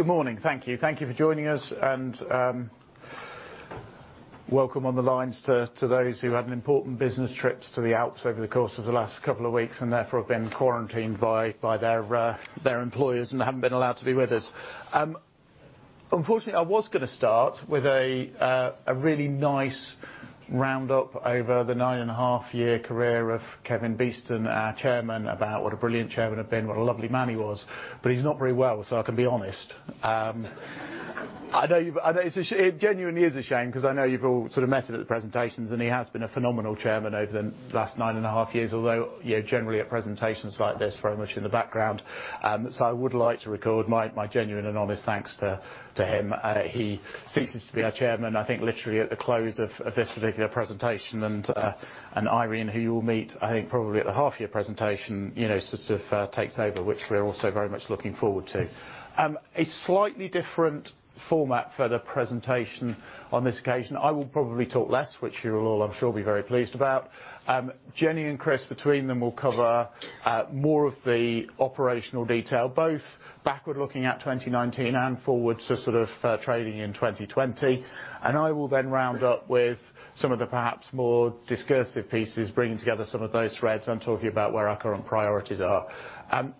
Good morning. Thank you. Thank you for joining us. Welcome on the lines to those who had important business trips to the Alps over the course of the last couple of weeks, therefore have been quarantined by their employers and haven't been allowed to be with us. Unfortunately, I was going to start with a really nice roundup over the nine-and-a-half year career of Kevin Beeston, our Chairman, about what a brilliant Chairman he'd been, what a lovely man he was. He's not very well, I can be honest. It genuinely is a shame, because I know you've all met him at the presentations, he has been a phenomenal chairman over the last nine and a half years, although generally at presentations like this, very much in the background. I would like to record my genuine and honest thanks to him. He ceases to be our Chairman, I think literally at the close of this particular presentation. Irene, who you will meet, I think probably at the half-year presentation, takes over, which we're also very much looking forward to. A slightly different format for the presentation on this occasion. I will probably talk less, which you will all, I'm sure, be very pleased about. Jennie and Chris, between them, will cover more of the operational detail, both backward-looking at 2019 and forward to trading in 2020. I will then round up with some of the perhaps more discursive pieces, bringing together some of those threads and talking about where our current priorities are.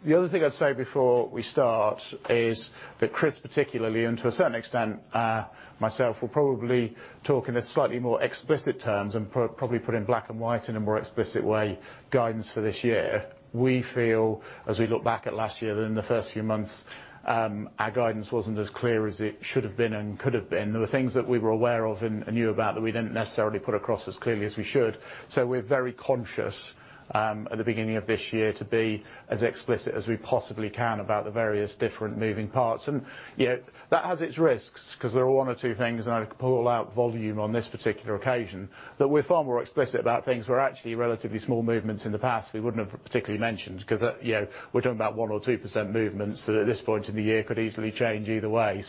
The other thing I'd say before we start is that Chris particularly, and to a certain extent myself, will probably talk in slightly more explicit terms, and probably put in black and white in a more explicit way, guidance for this year. We feel as we look back at last year, that in the first few months, our guidance wasn't as clear as it should have been and could have been. There were things that we were aware of and knew about that we didn't necessarily put across as clearly as we should. We're very conscious, at the beginning of this year, to be as explicit as we possibly can about the various different moving parts. That has its risks, because there are one or two things, and I could pull out volume on this particular occasion, that we're far more explicit about things where actually relatively small movements in the past, we wouldn't have particularly mentioned because we're talking about 1% or 2% movements, that at this point in the year could easily change either way.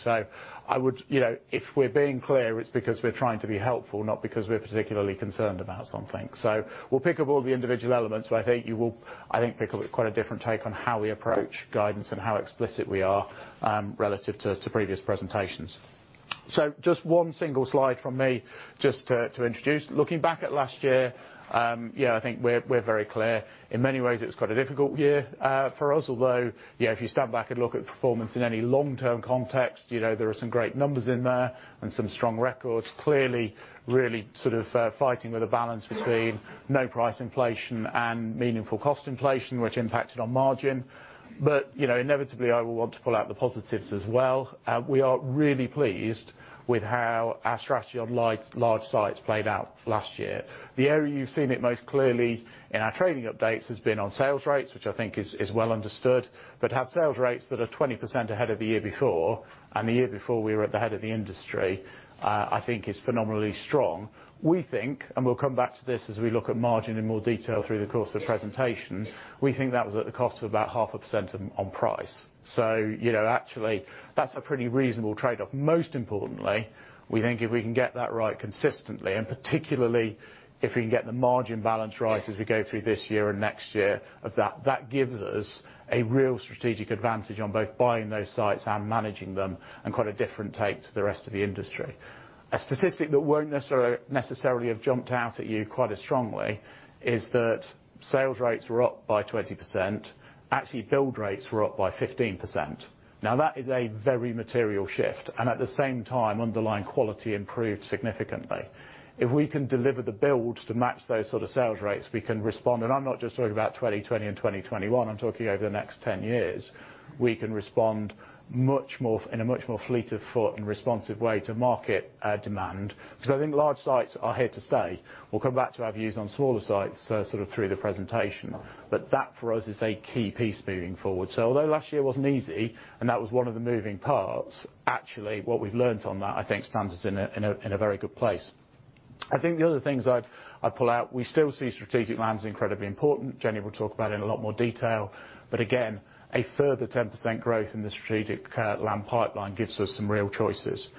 If we're being clear, it's because we're trying to be helpful, not because we're particularly concerned about something. We'll pick up all the individual elements, but I think you will, I think, pick up quite a different take on how we approach guidance and how explicit we are relative to previous presentations. Just one single slide from me just to introduce. Looking back at last year, I think we're very clear. In many ways, it was quite a difficult year for us, although if you stand back and look at the performance in any long-term context, there are some great numbers in there and some strong records. Clearly, really fighting with a balance between no price inflation and meaningful cost inflation, which impacted on margin. Inevitably, I will want to pull out the positives as well. We are really pleased with how our strategy on large sites played out last year. The area you've seen it most clearly in our trading updates has been on sales rates, which I think is well understood. To have sales rates that are 20% ahead of the year before, and the year before we were at the head of the industry, I think is phenomenally strong. We think, and we'll come back to this as we look at margin in more detail through the course of the presentation, we think that was at the cost of about 0.5% on price. Actually, that's a pretty reasonable trade-off. Most importantly, we think if we can get that right consistently, and particularly if we can get the margin balance right as we go through this year and next year of that gives us a real strategic advantage on both buying those sites and managing them, and quite a different take to the rest of the industry. A statistic that won't necessarily have jumped out at you quite as strongly is that sales rates were up by 20%. Actually, build rates were up by 15%. That is a very material shift. At the same time, underlying quality improved significantly. If we can deliver the builds to match those sort of sales rates, we can respond, and I'm not just talking about 2020 and 2021, I'm talking over the next 10 years. We can respond in a much more fleet-of-foot and responsive way to market demand, because I think large sites are here to stay. We'll come back to our views on smaller sites through the presentation. That, for us, is a key piece moving forward. Although last year wasn't easy, and that was one of the moving parts, actually what we've learned on that, I think, stands us in a very good place. I think the other things I'd pull out, we still see strategic land as incredibly important. Jennie will talk about it in a lot more detail. Again, a further 10% growth in the strategic land pipeline gives us some real choices.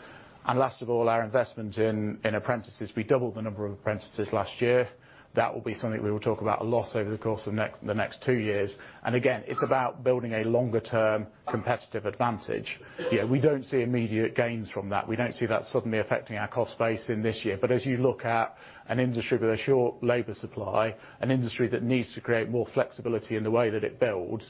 Last of all, our investment in apprentices. We doubled the number of apprentices last year. That will be something we will talk about a lot over the course of the next two years. Again, it's about building a longer term competitive advantage. We don't see immediate gains from that. We don't see that suddenly affecting our cost base in this year. As you look at an industry with a short labour supply, an industry that needs to create more flexibility in the way that it builds,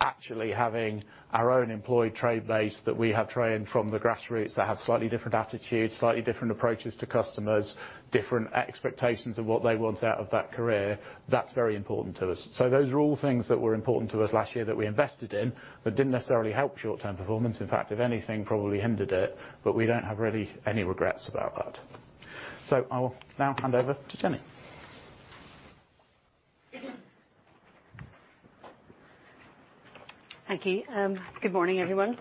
actually having our own employed trade base that we have trained from the grassroots, that have slightly different attitudes, slightly different approaches to customers, different expectations of what they want out of that career, that's very important to us. Those are all things that were important to us last year that we invested in, but didn't necessarily help short-term performance. In fact, if anything, probably hindered it, but we don't have really any regrets about that. I will now hand over to Jennie. Thank you. Good morning, everyone.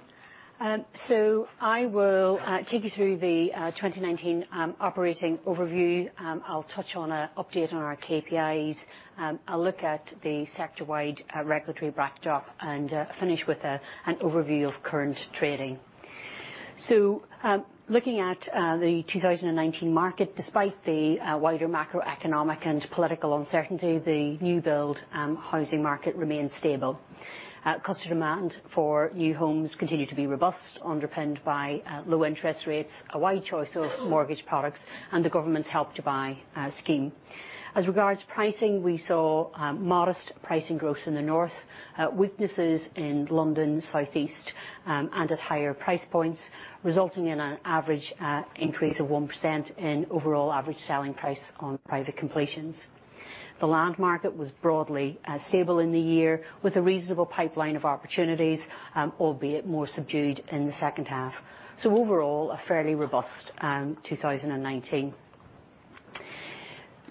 I will take you through the 2019 operating overview. I'll touch on an update on our KPIs. I'll look at the sector-wide regulatory backdrop and finish with an overview of current trading. Looking at the 2019 market, despite the wider macroeconomic and political uncertainty, the new build housing market remains stable. Customer demand for new homes continue to be robust, underpinned by low interest rates, a wide choice of mortgage products, and the government's Help to Buy scheme. As regards pricing, we saw modest pricing growth in the North, weaknesses in London, South East, and at higher price points, resulting in an average increase of 1% in overall average selling price on private completions. The land market was broadly stable in the year, with a reasonable pipeline of opportunities, albeit more subdued in the second half. Overall, a fairly robust 2019.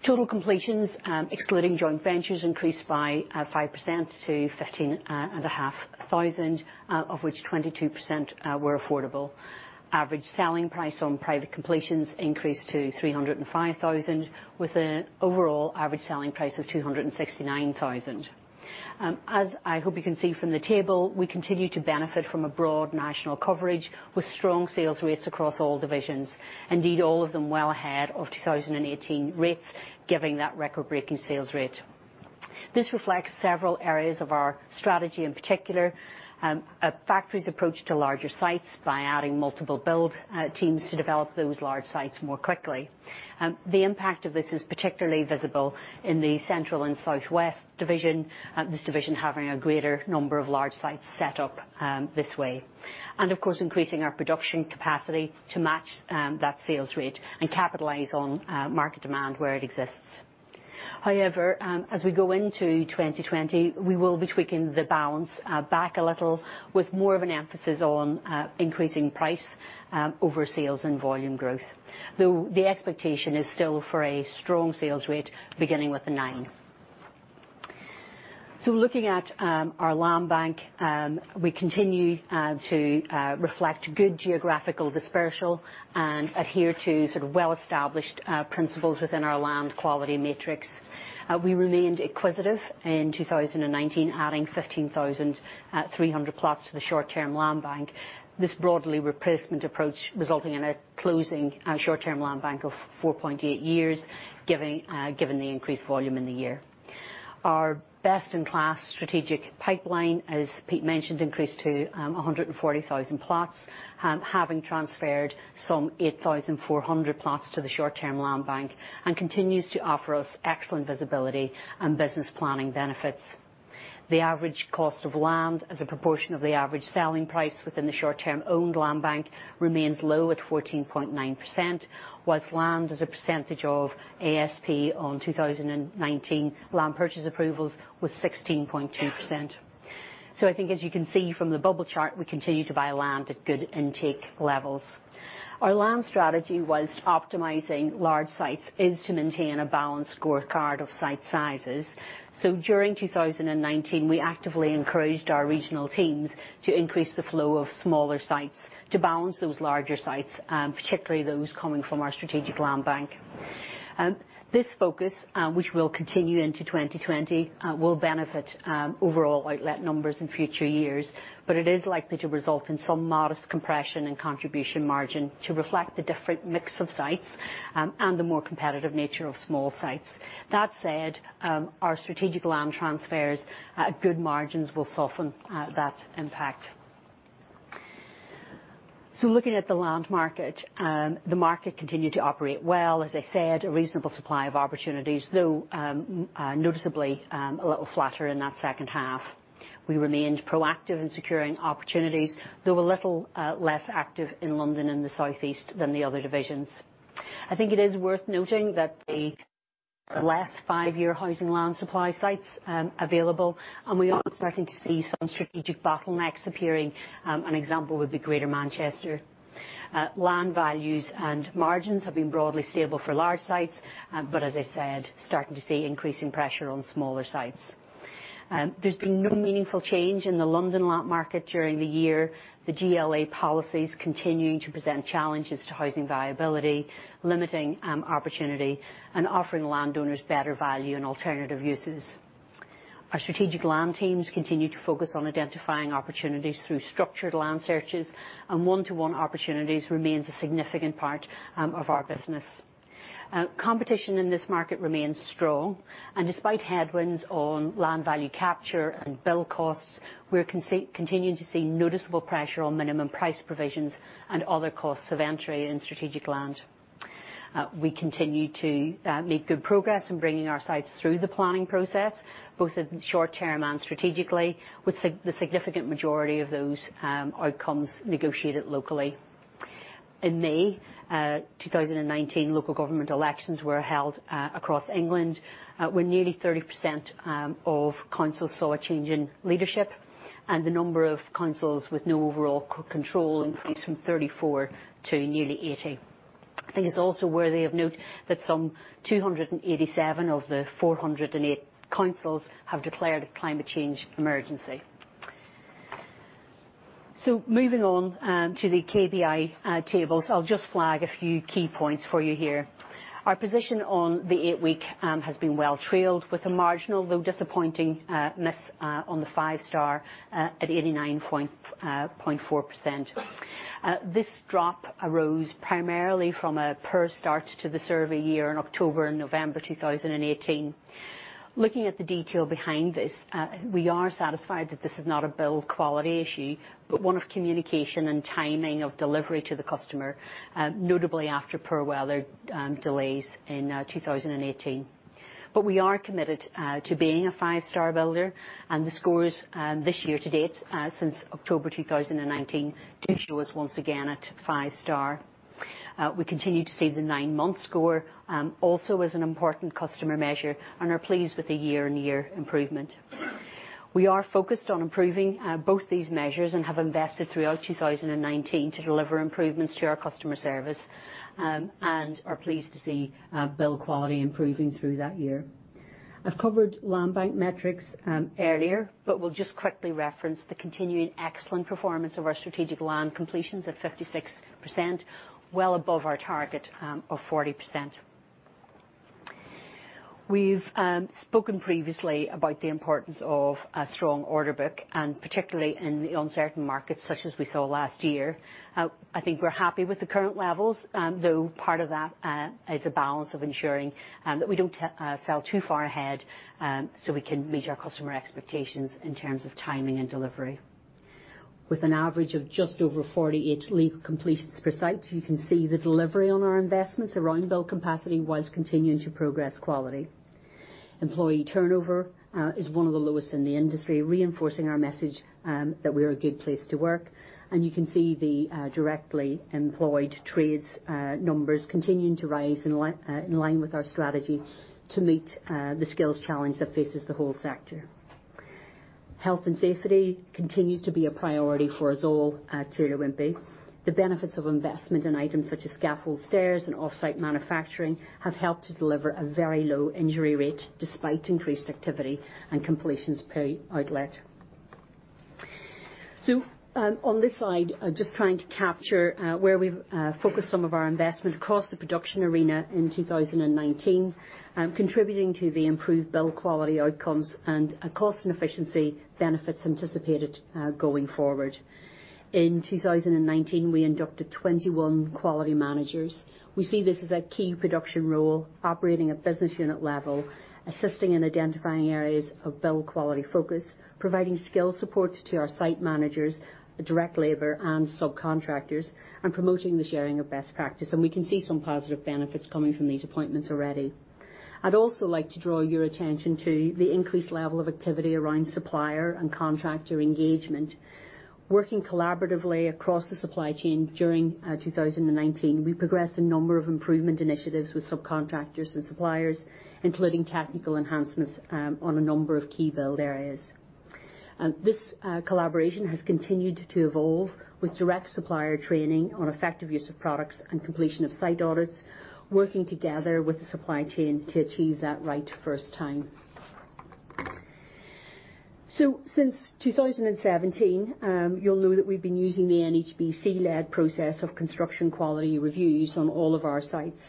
Total completions, excluding joint ventures, increased by 5% to 15,500, of which 22% were affordable. Average selling price on private completions increased to 305,000, with an overall average selling price of 269,000. As I hope you can see from the table, we continue to benefit from a broad national coverage, with strong sales rates across all divisions. Indeed, all of them well ahead of 2018 rates, giving that record-breaking sales rate. This reflects several areas of our strategy, in particular, a factories approach to larger sites by adding multiple build teams to develop those large sites more quickly. The impact of this is particularly visible in the Central and South West division, this division having a greater number of large sites set up this way. Of course, increasing our production capacity to match that sales rate and capitalise on market demand where it exists. As we go into 2020, we will be tweaking the balance back a little, with more of an emphasis on increasing price over sales and volume growth, though the expectation is still for a strong sales rate beginning with a nine. Looking at our land bank, we continue to reflect good geographical dispersal and adhere to well-established principles within our land quality matrix. We remained acquisitive in 2019, adding 15,300 plots to the short-term land bank. This broadly replacement approach resulting in a closing short-term land bank of 4.8 years, given the increased volume in the year. Our best-in-class strategic pipeline, as Pete mentioned, increased to 140,000 plots, having transferred some 8,400 plots to the short-term land bank, and continues to offer us excellent visibility and business planning benefits. The average cost of land as a proportion of the average selling price within the short term owned land bank remains low at 14.9%, whilst land as a percentage of ASP on 2019 land purchase approvals was 16.2%. I think as you can see from the bubble chart, we continue to buy land at good intake levels. Our land strategy whilst optimizing large sites is to maintain a balanced scorecard of site sizes. During 2019, we actively encouraged our regional teams to increase the flow of smaller sites to balance those larger sites, particularly those coming from our strategic land bank. This focus, which will continue into 2020, will benefit overall outlet numbers in future years, but it is likely to result in some modest compression and contribution margin to reflect the different mix of sites and the more competitive nature of small sites. That said, our strategic land transfers at good margins will soften that impact. Looking at the land market, the market continued to operate well. As I said, a reasonable supply of opportunities, though noticeably a little flatter in that second half. We remained proactive in securing opportunities, though were a little less active in London and the South East than the other divisions. I think it is worth noting that the less five-year housing land supply sites available, and we are starting to see some strategic bottlenecks appearing. An example would be Greater Manchester. Land values and margins have been broadly stable for large sites, but as I said, starting to see increasing pressure on smaller sites. There's been no meaningful change in the London land market during the year. The GLA policies continuing to present challenges to housing viability, limiting opportunity, and offering landowners better value and alternative uses. Our strategic land teams continue to focus on identifying opportunities through structured land searches, and one-to-one opportunities remains a significant part of our business. Competition in this market remains strong, and despite headwinds on land value capture and build costs, we're continuing to see noticeable pressure on minimum price provisions and other costs of entry in strategic land. We continue to make good progress in bringing our sites through the planning process, both in short term and strategically, with the significant majority of those outcomes negotiated locally. In May 2019, local government elections were held across England, where nearly 30% of councils saw a change in leadership, and the number of councils with no overall control increased from 34 to nearly 80. I think it's also worthy of note that some 287 of the 408 councils have declared a climate change emergency. Moving on to the KPI tables. I'll just flag a few key points for you here. Our position on the eight-week has been well trailed with a marginal, though disappointing, miss on the five-star at 89.4%. This drop arose primarily from a poor start to the survey year in October and November 2018. Looking at the detail behind this, we are satisfied that this is not a build quality issue, but one of communication and timing of delivery to the customer, notably after poor weather delays in 2018. We are committed to being a five-star builder, and the scores this year to date since October 2019 do show us once again at five-star. We continue to see the nine-month score also as an important customer measure and are pleased with the year-on-year improvement. We are focused on improving both these measures and have invested throughout 2019 to deliver improvements to our customer service, and are pleased to see build quality improving through that year. I've covered landbank metrics earlier, but we'll just quickly reference the continuing excellent performance of our strategic land completions at 56%, well above our target of 40%. We've spoken previously about the importance of a strong order book, and particularly in the uncertain markets such as we saw last year. I think we're happy with the current levels, though part of that is a balance of ensuring that we don't sell too far ahead, so we can meet our customer expectations in terms of timing and delivery. With an average of just over 48 legal completions per site, you can see the delivery on our investments around build capacity while continuing to progress quality. Employee turnover is one of the lowest in the industry, reinforcing our message that we are a good place to work, and you can see the directly employed trades numbers continuing to rise in line with our strategy to meet the skills challenge that faces the whole sector. Health and safety continues to be a priority for us all at Taylor Wimpey. The benefits of investment in items such as scaffold stairs and offsite manufacturing have helped to deliver a very low injury rate despite increased activity and completions per outlet. On this slide, just trying to capture where we've focused some of our investment across the production arena in 2019, contributing to the improved build quality outcomes and cost and efficiency benefits anticipated going forward. In 2019, we inducted 21 Quality Managers. We see this as a key production role, operating at business unit level, assisting in identifying areas of build quality focus, providing skill support to our Site Managers, direct labour, and subcontractors, and promoting the sharing of best practice. We can see some positive benefits coming from these appointments already. I'd also like to draw your attention to the increased level of activity around supplier and contractor engagement. Working collaboratively across the supply chain during 2019, we progressed a number of improvement initiatives with subcontractors and suppliers, including technical enhancements on a number of key build areas. This collaboration has continued to evolve with direct supplier training on effective use of products and completion of site audits, working together with the supply chain to achieve that right first time. Since 2017, you'll know that we've been using the NHBC-led process of Construction Quality Reviews on all of our sites.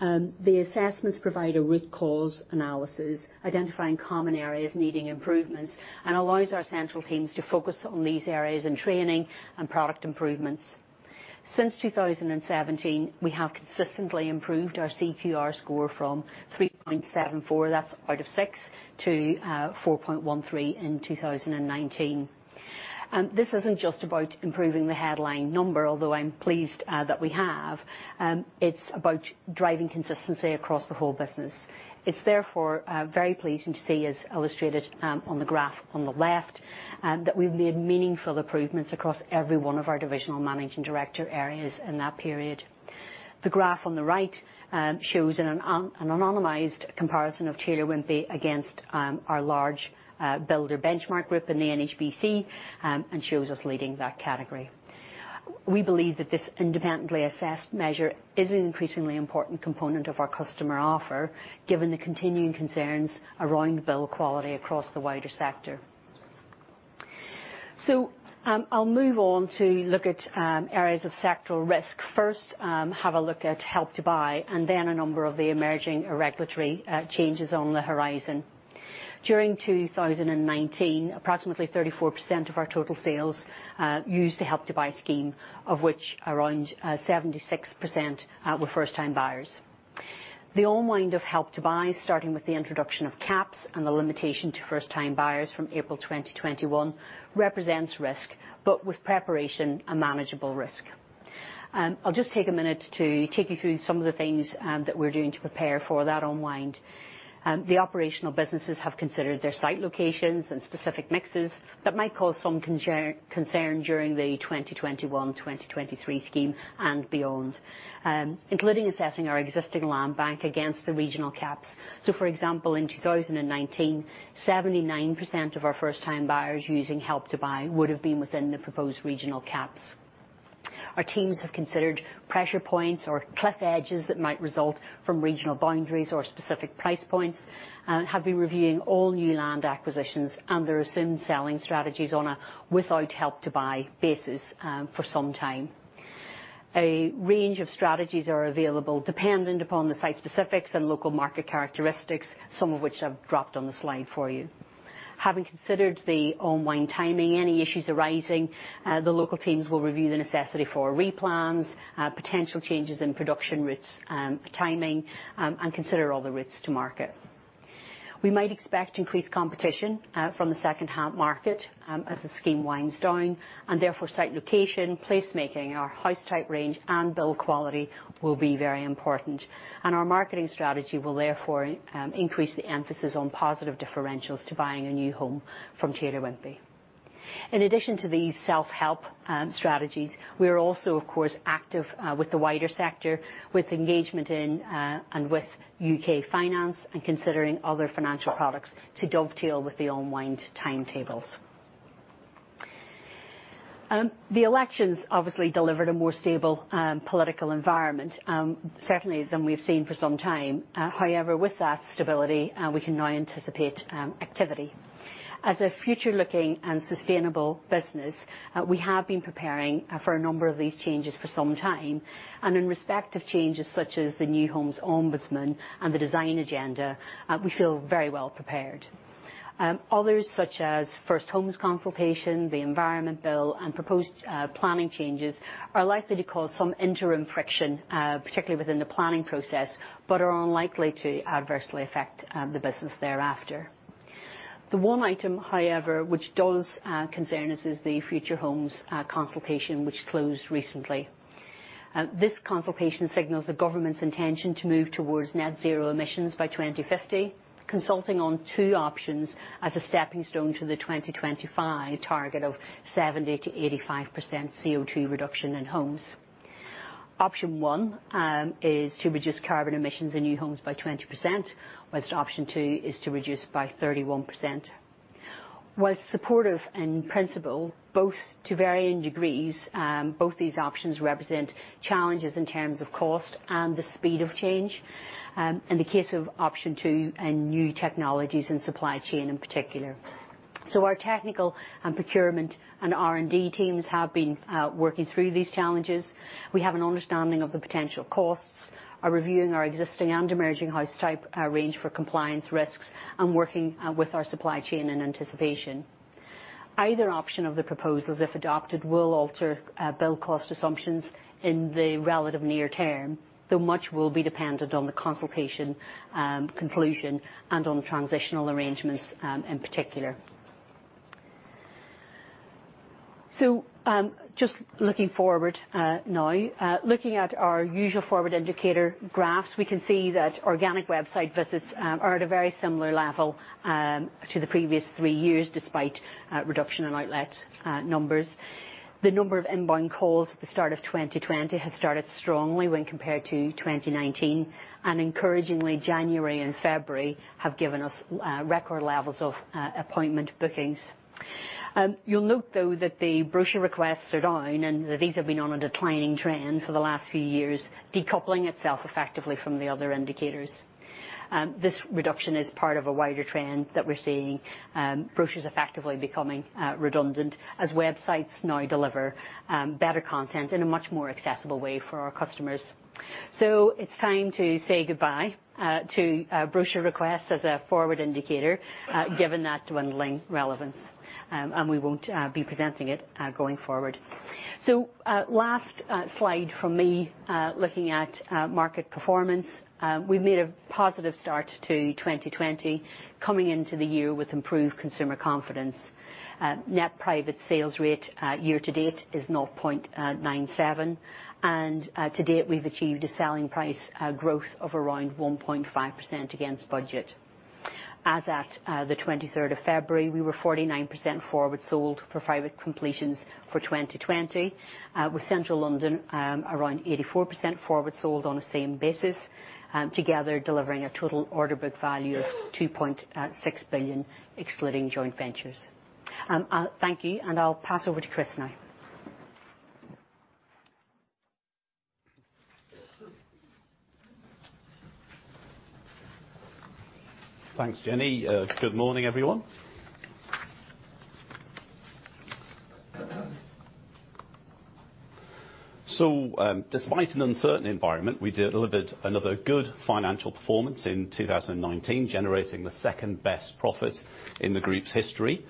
The assessments provide a root cause analysis identifying common areas needing improvements and allows our central teams to focus on these areas in training and product improvements. Since 2017, we have consistently improved our CQR score from 3.74, that's out of six, to 4.13 in 2019. This isn't just about improving the headline number, although I'm pleased that we have. It's about driving consistency across the whole business. It's therefore very pleasing to see, as illustrated on the graph on the left, that we've made meaningful improvements across every one of our divisional managing director areas in that period. The graph on the right shows an anonymised comparison of Taylor Wimpey against our large builder benchmark group in the NHBC and shows us leading that category. We believe that this independently assessed measure is an increasingly important component of our customer offer given the continuing concerns around build quality across the wider sector. I'll move on to look at areas of sectoral risk. First, have a look at Help to Buy, and then a number of the emerging regulatory changes on the horizon. During 2019, approximately 34% of our total sales used the Help to Buy scheme, of which around 76% were first-time buyers. The unwind of Help to Buy, starting with the introduction of caps and the limitation to first-time buyers from April 2021, represents risk, with preparation, a manageable risk. I'll just take a minute to take you through some of the things that we're doing to prepare for that unwind. The operational businesses have considered their site locations and specific mixes that might cause some concern during the 2021-2023 scheme and beyond, including assessing our existing land bank against the regional caps. For example, in 2019, 79% of our first-time buyers using Help to Buy would have been within the proposed regional caps. Our teams have considered pressure points or cliff edges that might result from regional boundaries or specific price points and have been reviewing all new land acquisitions under assumed selling strategies on a without Help to Buy basis for some time. A range of strategies are available dependent upon the site specifics and local market characteristics, some of which I've dropped on the slide for you. Having considered the unwind timing, any issues arising, the local teams will review the necessity for replans, potential changes in production rates and timing, and consider all the routes to market. We might expect increased competition from the second-hand market as the scheme winds down, and therefore site location, place making, our house type range, and build quality will be very important. Our marketing strategy will therefore increase the emphasis on positive differentials to buying a new home from Taylor Wimpey. In addition to these self-help strategies, we are also, of course, active with the wider sector, with engagement in and with UK Finance and considering other financial products to dovetail with the unwind timetables. The elections obviously delivered a more stable political environment, certainly than we've seen for some time. However, with that stability, we can now anticipate activity. As a future-looking and sustainable business, we have been preparing for a number of these changes for some time, and in respect of changes such as the New Homes Ombudsman and the design agenda, we feel very well prepared. Others such as First Homes consultation, the Environment Bill, and proposed planning changes are likely to cause some interim friction, particularly within the planning process, but are unlikely to adversely affect the business thereafter. The one item, however, which does concern us is the Future Homes consultation, which closed recently. This consultation signals the government's intention to move towards net zero emissions by 2050, consulting on two options as a stepping stone to the 2025 target of 70%-85% CO2 reduction in homes. Option one is to reduce carbon emissions in new homes by 20%, whilst option two is to reduce by 31%. Whilst supportive in principle both to varying degrees, both these options represent challenges in terms of cost and the speed of change, in the case of option two, new technologies and supply chain in particular. Our technical and procurement and R&D teams have been working through these challenges. We have an understanding of the potential costs, are reviewing our existing and emerging house type range for compliance risks, and working with our supply chain in anticipation. Either option of the proposals, if adopted, will alter build cost assumptions in the relative near term, though much will be dependent on the consultation conclusion and on transitional arrangements in particular. Just looking forward now. Looking at our usual forward indicator graphs, we can see that organic website visits are at a very similar level to the previous three years, despite a reduction in outlet numbers. The number of inbound calls at the start of 2020 has started strongly when compared to 2019, and encouragingly, January and February have given us record levels of appointment bookings. You'll note, though, that the brochure requests are down, and these have been on a declining trend for the last few years, decoupling itself effectively from the other indicators. This reduction is part of a wider trend that we're seeing, brochures effectively becoming redundant as websites now deliver better content in a much more accessible way for our customers. It's time to say goodbye to brochure requests as a forward indicator, given that dwindling relevance, and we won't be presenting it going forward. Last slide from me. Looking at market performance, we've made a positive start to 2020, coming into the year with improved consumer confidence. Net private sales rate year to date is 0.97. To date, we've achieved a selling price growth of around 1.5% against budget. As at the 23rd of February, we were 49% forward sold for private completions for 2020, with Central London around 84% forward sold on the same basis, together delivering a total order book value of 2.6 billion, excluding joint ventures. Thank you. I'll pass over to Chris now. Thanks, Jennie. Good morning, everyone. Despite an uncertain environment, we delivered another good financial performance in 2019, generating the second-best profit in the group's history.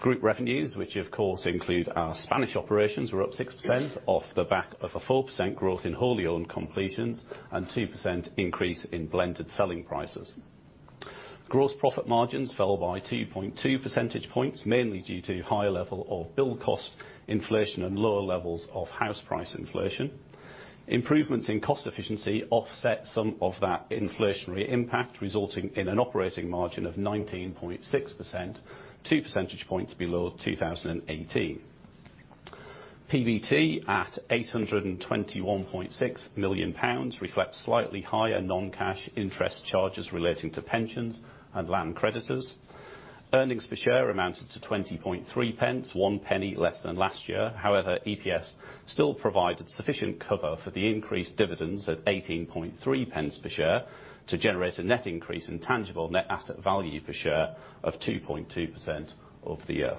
Group revenues, which of course include our Spanish operations, were up 6% off the back of a 4% growth in wholly owned completions and 2% increase in blended selling prices. Gross profit margins fell by 2.2 percentage points, mainly due to higher level of build cost inflation and lower levels of house price inflation. Improvements in cost efficiency offset some of that inflationary impact, resulting in an operating margin of 19.6%, 2 percentage points below 2018. PBT at 821.6 million pounds reflects slightly higher non-cash interest charges relating to pensions and land creditors. Earnings per share amounted to 0.203, 0.01 less than last year. However, EPS still provided sufficient cover for the increased dividends at 0.183 per share to generate a net increase in tangible net asset value per share of 2.2% of the year.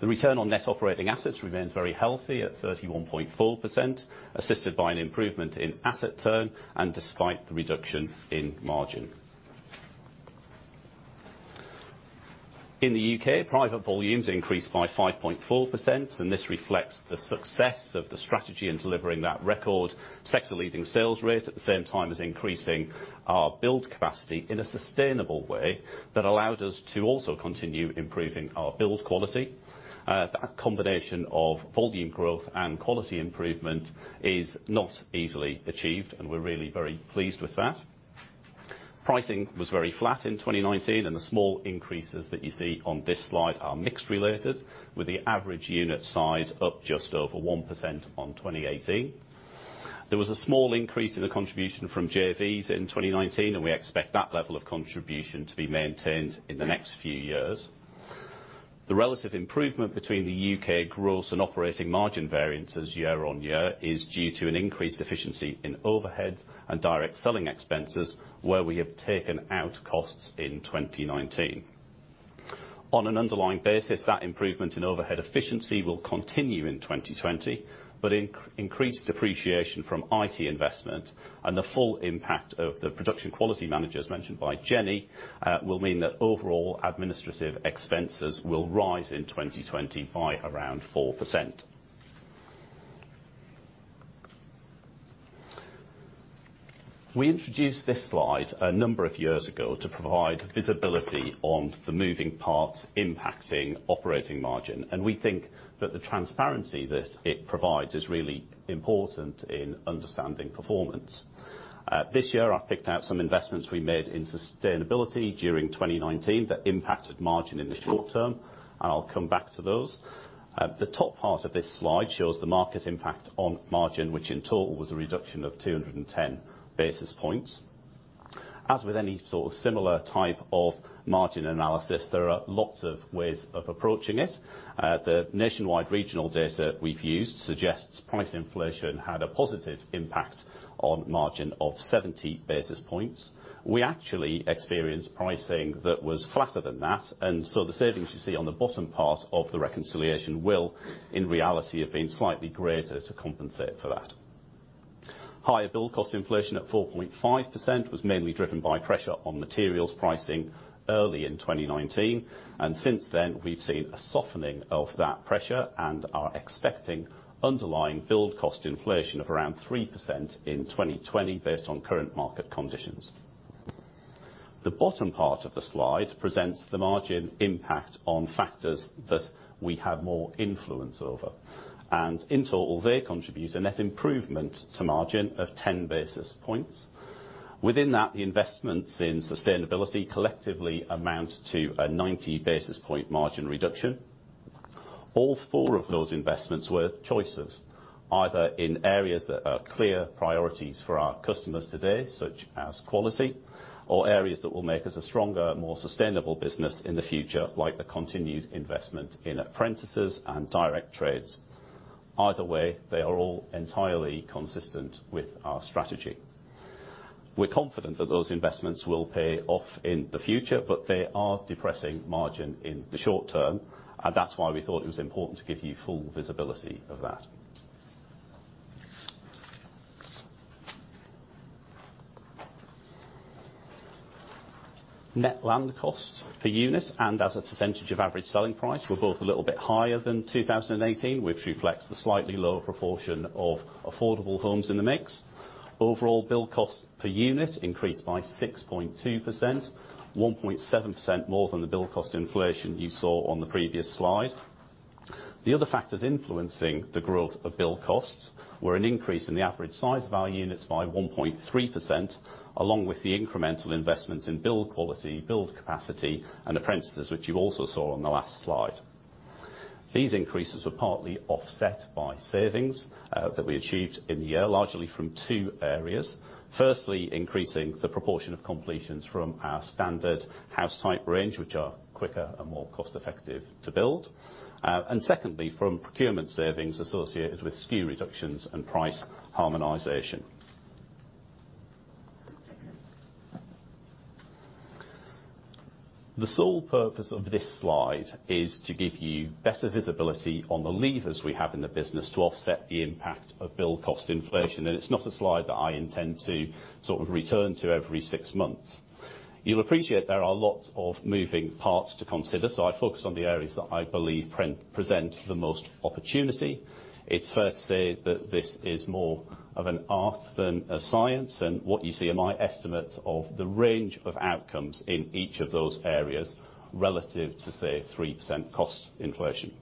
The return on net operating assets remains very healthy at 31.4%, assisted by an improvement in asset turn and despite the reduction in margin. In the U.K., private volumes increased by 5.4%. This reflects the success of the strategy in delivering that record sector-leading sales rate, at the same time as increasing our build capacity in a sustainable way that allowed us to also continue improving our build quality. That combination of volume growth and quality improvement is not easily achieved. We're really very pleased with that. Pricing was very flat in 2019. The small increases that you see on this slide are mix related, with the average unit size up just over 1% on 2018. There was a small increase in the contribution from JVs in 2019. We expect that level of contribution to be maintained in the next few years. The relative improvement between the U.K. gross and operating margin variances year-on-year is due to an increased efficiency in overheads and direct selling expenses, where we have taken out costs in 2019. On an underlying basis, that improvement in overhead efficiency will continue in 2020. Increased depreciation from IT investment and the full impact of the production quality managers mentioned by Jennie will mean that overall administrative expenses will rise in 2020 by around 4%. We introduced this slide a number of years ago to provide visibility on the moving parts impacting operating margin. We think that the transparency that it provides is really important in understanding performance. This year, I've picked out some investments we made in sustainability during 2019 that impacted margin in the short term, I'll come back to those. The top part of this slide shows the market impact on margin, which in total was a reduction of 210 basis points. As with any sort of similar type of margin analysis, there are lots of ways of approaching it. The nationwide regional data we've used suggests price inflation had a positive impact on margin of 70 basis points. We actually experienced pricing that was flatter than that, the savings you see on the bottom part of the reconciliation will, in reality, have been slightly greater to compensate for that. Higher build cost inflation at 4.5% was mainly driven by pressure on materials pricing early in 2019. Since then, we've seen a softening of that pressure and are expecting underlying build cost inflation of around 3% in 2020, based on current market conditions. The bottom part of the slide presents the margin impact on factors that we have more influence over. In total, they contribute a net improvement to margin of 10 basis points. Within that, the investments in sustainability collectively amount to a 90 basis point margin reduction. All four of those investments were choices, either in areas that are clear priorities for our customers today, such as quality, or areas that will make us a stronger, more sustainable business in the future, like the continued investment in apprentices and direct trades. Either way, they are all entirely consistent with our strategy. We're confident that those investments will pay off in the future, but they are depressing margin in the short term, and that's why we thought it was important to give you full visibility of that. Net land cost per unit and as a percentage of average selling price were both a little bit higher than 2018, which reflects the slightly lower proportion of affordable homes in the mix. Overall build costs per unit increased by 6.2%, 1.7% more than the build cost inflation you saw on the previous slide. The other factors influencing the growth of build costs were an increase in the average size of our units by 1.3%, along with the incremental investments in build quality, build capacity, and apprentices, which you also saw on the last slide. These increases were partly offset by savings that we achieved in the year, largely from two areas. Firstly, increasing the proportion of completions from our standard house type range, which are quicker and more cost effective to build. Secondly, from procurement savings associated with SKU reductions and price harmonisation. The sole purpose of this slide is to give you better visibility on the levers we have in the business to offset the impact of build cost inflation, and it's not a slide that I intend to sort of return to every six months. You'll appreciate there are lots of moving parts to consider, so I focus on the areas that I believe present the most opportunity. It's fair to say that this is more of an art than a science, and what you see are my estimates of the range of outcomes in each of those areas relative to, say, 3% cost inflation.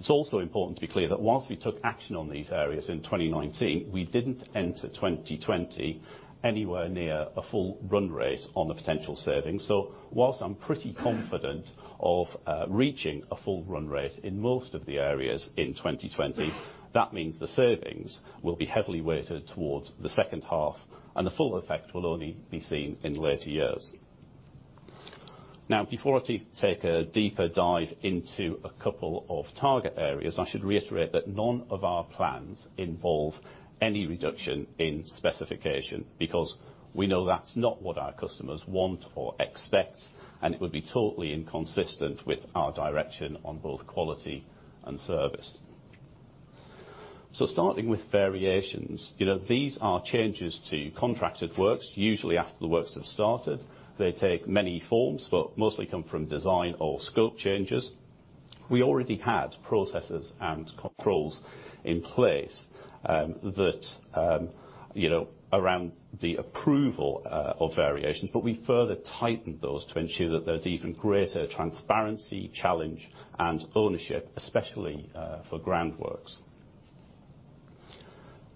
It's also important to be clear that whilst we took action on these areas in 2019, we didn't enter 2020 anywhere near a full run rate on the potential savings. Whilst I'm pretty confident of reaching a full run rate in most of the areas in 2020, that means the savings will be heavily weighted towards the second half, and the full effect will only be seen in later years. Before I take a deeper dive into a couple of target areas, I should reiterate that none of our plans involve any reduction in specification, because we know that's not what our customers want or expect, and it would be totally inconsistent with our direction on both quality and service. Starting with variations, these are changes to contracted works, usually after the works have started. They take many forms, mostly come from design or scope changes. We already had processes and controls in place around the approval of variations, but we further tightened those to ensure that there's even greater transparency, challenge, and ownership, especially for groundworks.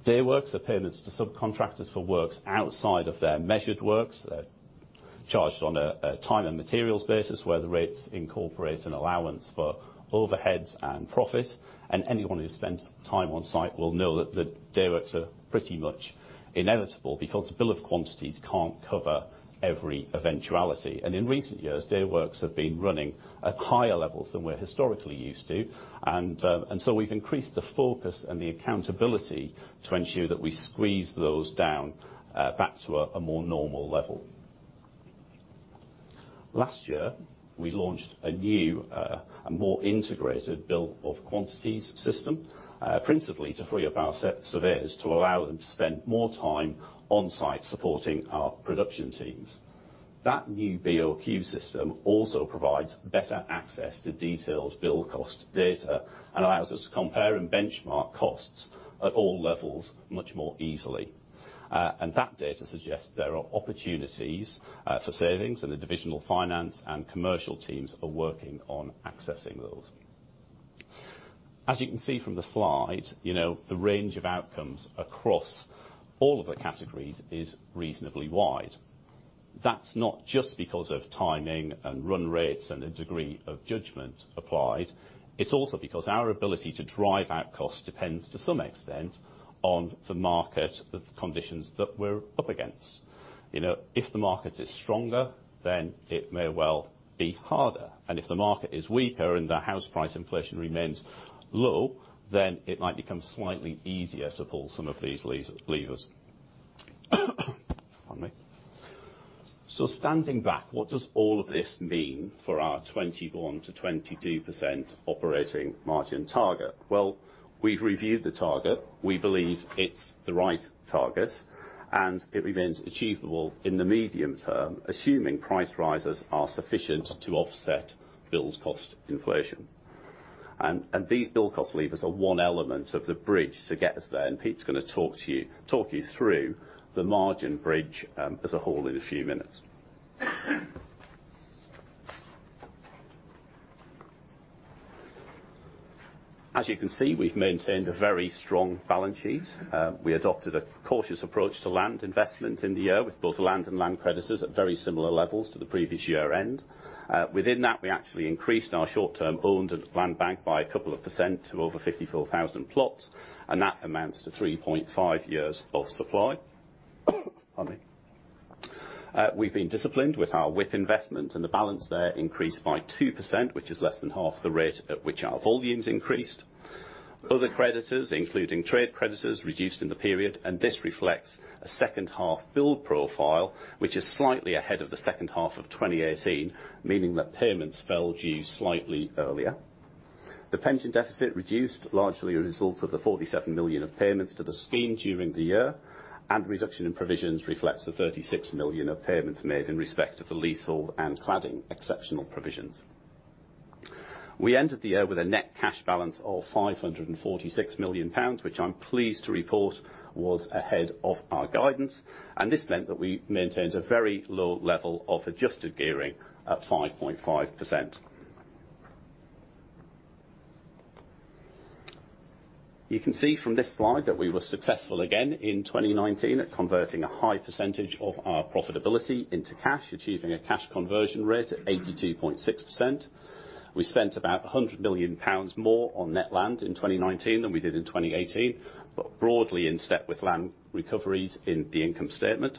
Day works are payments to subcontractors for works outside of their measured works. They're charged on a time and materials basis, where the rates incorporate an allowance for overheads and profit. Anyone who's spent time on site will know that dayworks are pretty much inevitable, because the Bill of Quantities can't cover every eventuality. In recent years, dayworks have been running at higher levels than we're historically used to. We've increased the focus and the accountability to ensure that we squeeze those down back to a more normal level. Last year, we launched a new, a more integrated Bill of Quantities system, principally to free-up our surveyors to allow them to spend more time on site supporting our production teams. That new BOQ system also provides better access to detailed build cost data and allows us to compare and benchmark costs at all levels much more easily. That data suggests there are opportunities for savings, and the divisional finance and commercial teams are working on accessing those. As you can see from the slide, the range of outcomes across all of the categories is reasonably wide. That's not just because of timing and run rates and the degree of judgment applied. It's also because our ability to drive out cost depends, to some extent, on the market, the conditions that we're up against. If the market is stronger, then it may well be harder. If the market is weaker and the house price inflation remains low, then it might become slightly easier to pull some of these levers. Pardon me. Standing back, what does all of this mean for our 21%-22% operating margin target? Well, we've reviewed the target. We believe it's the right target, and it remains achievable in the medium term, assuming price rises are sufficient to offset build cost inflation. These build cost levers are one element of the bridge to get us there, and Pete's going to talk you through the margin bridge as a whole in a few minutes. As you can see, we've maintained a very strong balance sheet. We adopted a cautious approach to land investment in the year, with both land and land creditors at very similar levels to the previous year end. Within that, we actually increased our short-term owned land bank by a couple of percent to over 54,000 plots, and that amounts to 3.5 years of supply. Pardon me. We've been disciplined with our WIP investment, and the balance there increased by 2%, which is less than half the rate at which our volumes increased. Other creditors, including trade creditors, reduced in the period, and this reflects a second half build profile, which is slightly ahead of the second half of 2018, meaning that payments fell due slightly earlier. The pension deficit reduced, largely a result of the 47 million of payments to the scheme during the year, and the reduction in provisions reflects the 36 million of payments made in respect of the leasehold and cladding exceptional provisions. We ended the year with a net cash balance of 546 million pounds, which I'm pleased to report was ahead of our guidance, and this meant that we maintained a very low level of adjusted gearing at 5.5%. You can see from this slide that we were successful again in 2019 at converting a high percentage of our profitability into cash, achieving a cash conversion rate at 82.6%. We spent about 100 million pounds more on net land in 2019 than we did in 2018, but broadly in-step with land recoveries in the income statement.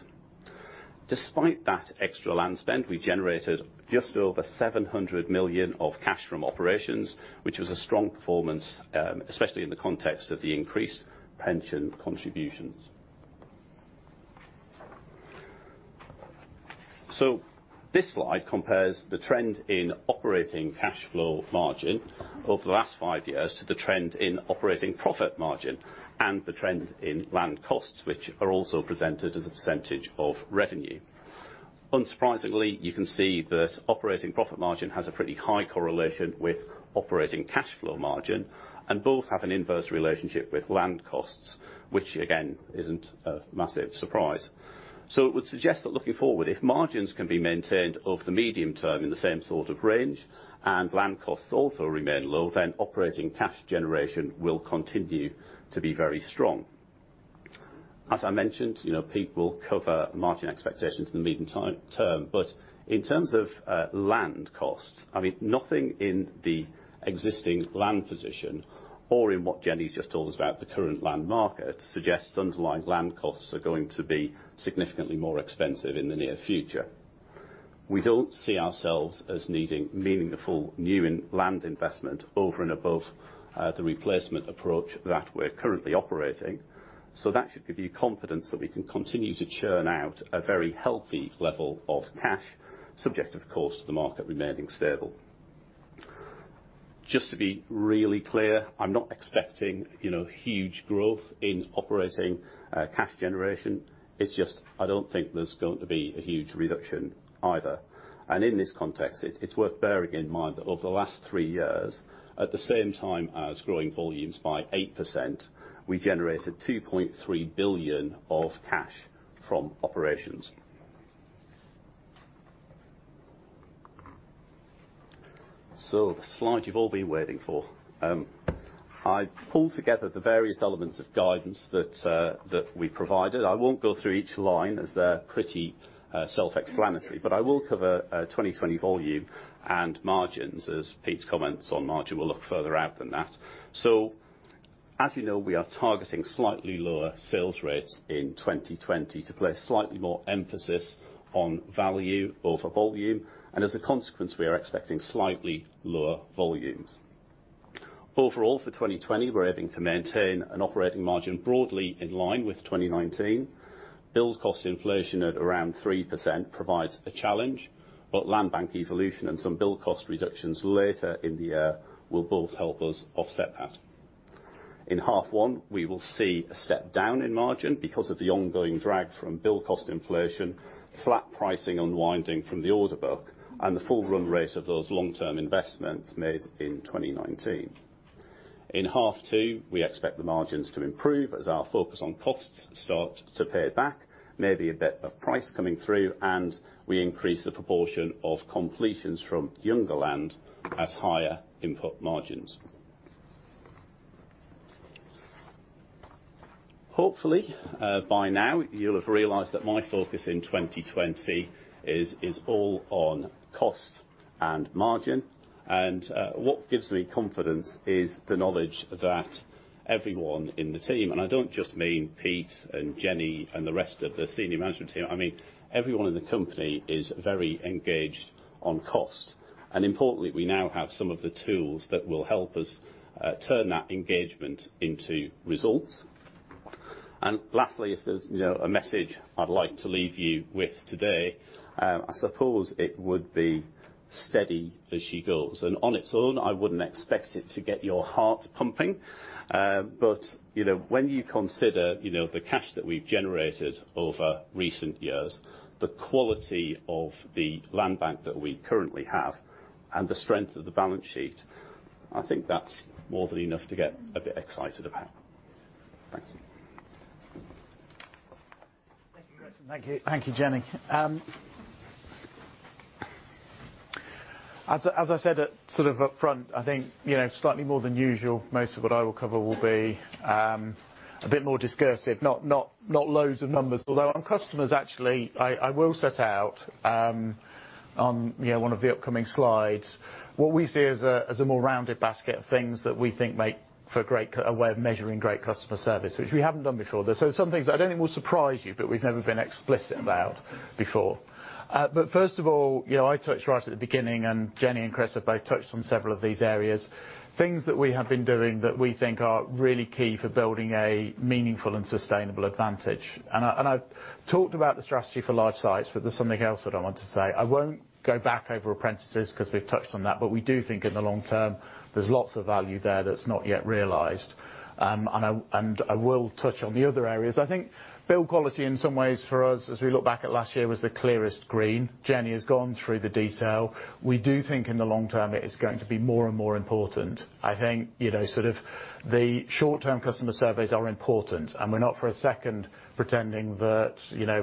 Despite that extra land spend, we generated just over 700 million of cash from operations, which was a strong performance, especially in the context of the increased pension contributions. This slide compares the trend in operating cash flow margin over the last five years to the trend in operating profit margin and the trend in land costs, which are also presented as a percentage of revenue. Unsurprisingly, you can see that operating profit margin has a pretty high correlation with operating cash flow margin and both have an inverse relationship with land costs, which again, isn't a massive surprise. It would suggest that looking forward, if margins can be maintained over the medium-term in the same sort of range and land costs also remain low, then operating cash generation will continue to be very strong. As I mentioned, Pete will cover margin expectations in the medium-term. In terms of land costs, nothing in the existing land position or in what Jennie's just told us about the current land market suggests underlying land costs are going to be significantly more expensive in the near future. We don't see ourselves as needing meaningful new land investment over and above the replacement approach that we're currently operating. That should give you confidence that we can continue to churn out a very healthy level of cash, subject of course, to the market remaining stable. Just to be really clear, I'm not expecting huge growth in operating cash generation. It's just, I don't think there's going to be a huge reduction either. In this context, it's worth bearing in mind that over the last three years, at the same time as growing volumes by 8%, we generated 2.3 billion of cash from operations. The slide you've all been waiting for. I pulled together the various elements of guidance that we provided. I won't go through each line as they're pretty self-explanatory, but I will cover 2020 volume and margins as Pete's comments on margin will look further out than that. As you know, we are targeting slightly lower sales rates in 2020 to place slightly more emphasis on value over volume. As a consequence, we are expecting slightly lower volumes. Overall, for 2020, we're aiming to maintain an operating margin broadly in line with 2019. Build cost inflation at around 3% provides a challenge, but landbank evolution and some build cost reductions later in the year will both help us offset that. In half one, we will see a step down in margin because of the ongoing drag from build cost inflation, flat pricing unwinding from the order book, and the full run rate of those long-term investments made in 2019. In half two, we expect the margins to improve as our focus on costs start to pay back, maybe a bit of price coming through, and we increase the proportion of completions from younger land at higher input margins. Hopefully, by now, you'll have realised that my focus in 2020 is all on cost and margin. What gives me confidence is the knowledge that everyone in the team, and I don't just mean Pete and Jennie and the rest of the senior management team, I mean everyone in the company is very engaged on cost. Importantly, we now have some of the tools that will help us turn that engagement into results. Lastly, if there's a message I'd like to leave you with today, I suppose it would be steady as she goes. On its own, I wouldn't expect it to get your heart pumping. When you consider the cash that we've generated over recent years, the quality of the landbank that we currently have, and the strength of the balance sheet, I think that's more than enough to get a bit excited about. Thanks. Thank you, Chris. Thank you. Thank you, Jennie. As I said up front, I think slightly more than usual, most of what I will cover will be a bit more discursive. Not loads of numbers, although on customers, actually, I will set out on one of the upcoming slides what we see as a more rounded basket of things that we think make for a way of measuring great customer service. Which we haven't done before. Some things I don't think will surprise you, but we've never been explicit about before. First of all, I touched right at the beginning, and Jennie and Chris have both touched on several of these areas, things that we have been doing that we think are really key for building a meaningful and sustainable advantage. I've talked about the strategy for large sites, but there's something else that I want to say. I won't go back over apprentices because we've touched on that, but we do think in the long term, there's lots of value there that's not yet realised. I will touch on the other areas. I think build quality in some ways for us as we look back at last year was the clearest green. Jennie has gone through the detail. We do think in the long term it is going to be more and more important. I think the short-term customer surveys are important. We're not for a second pretending that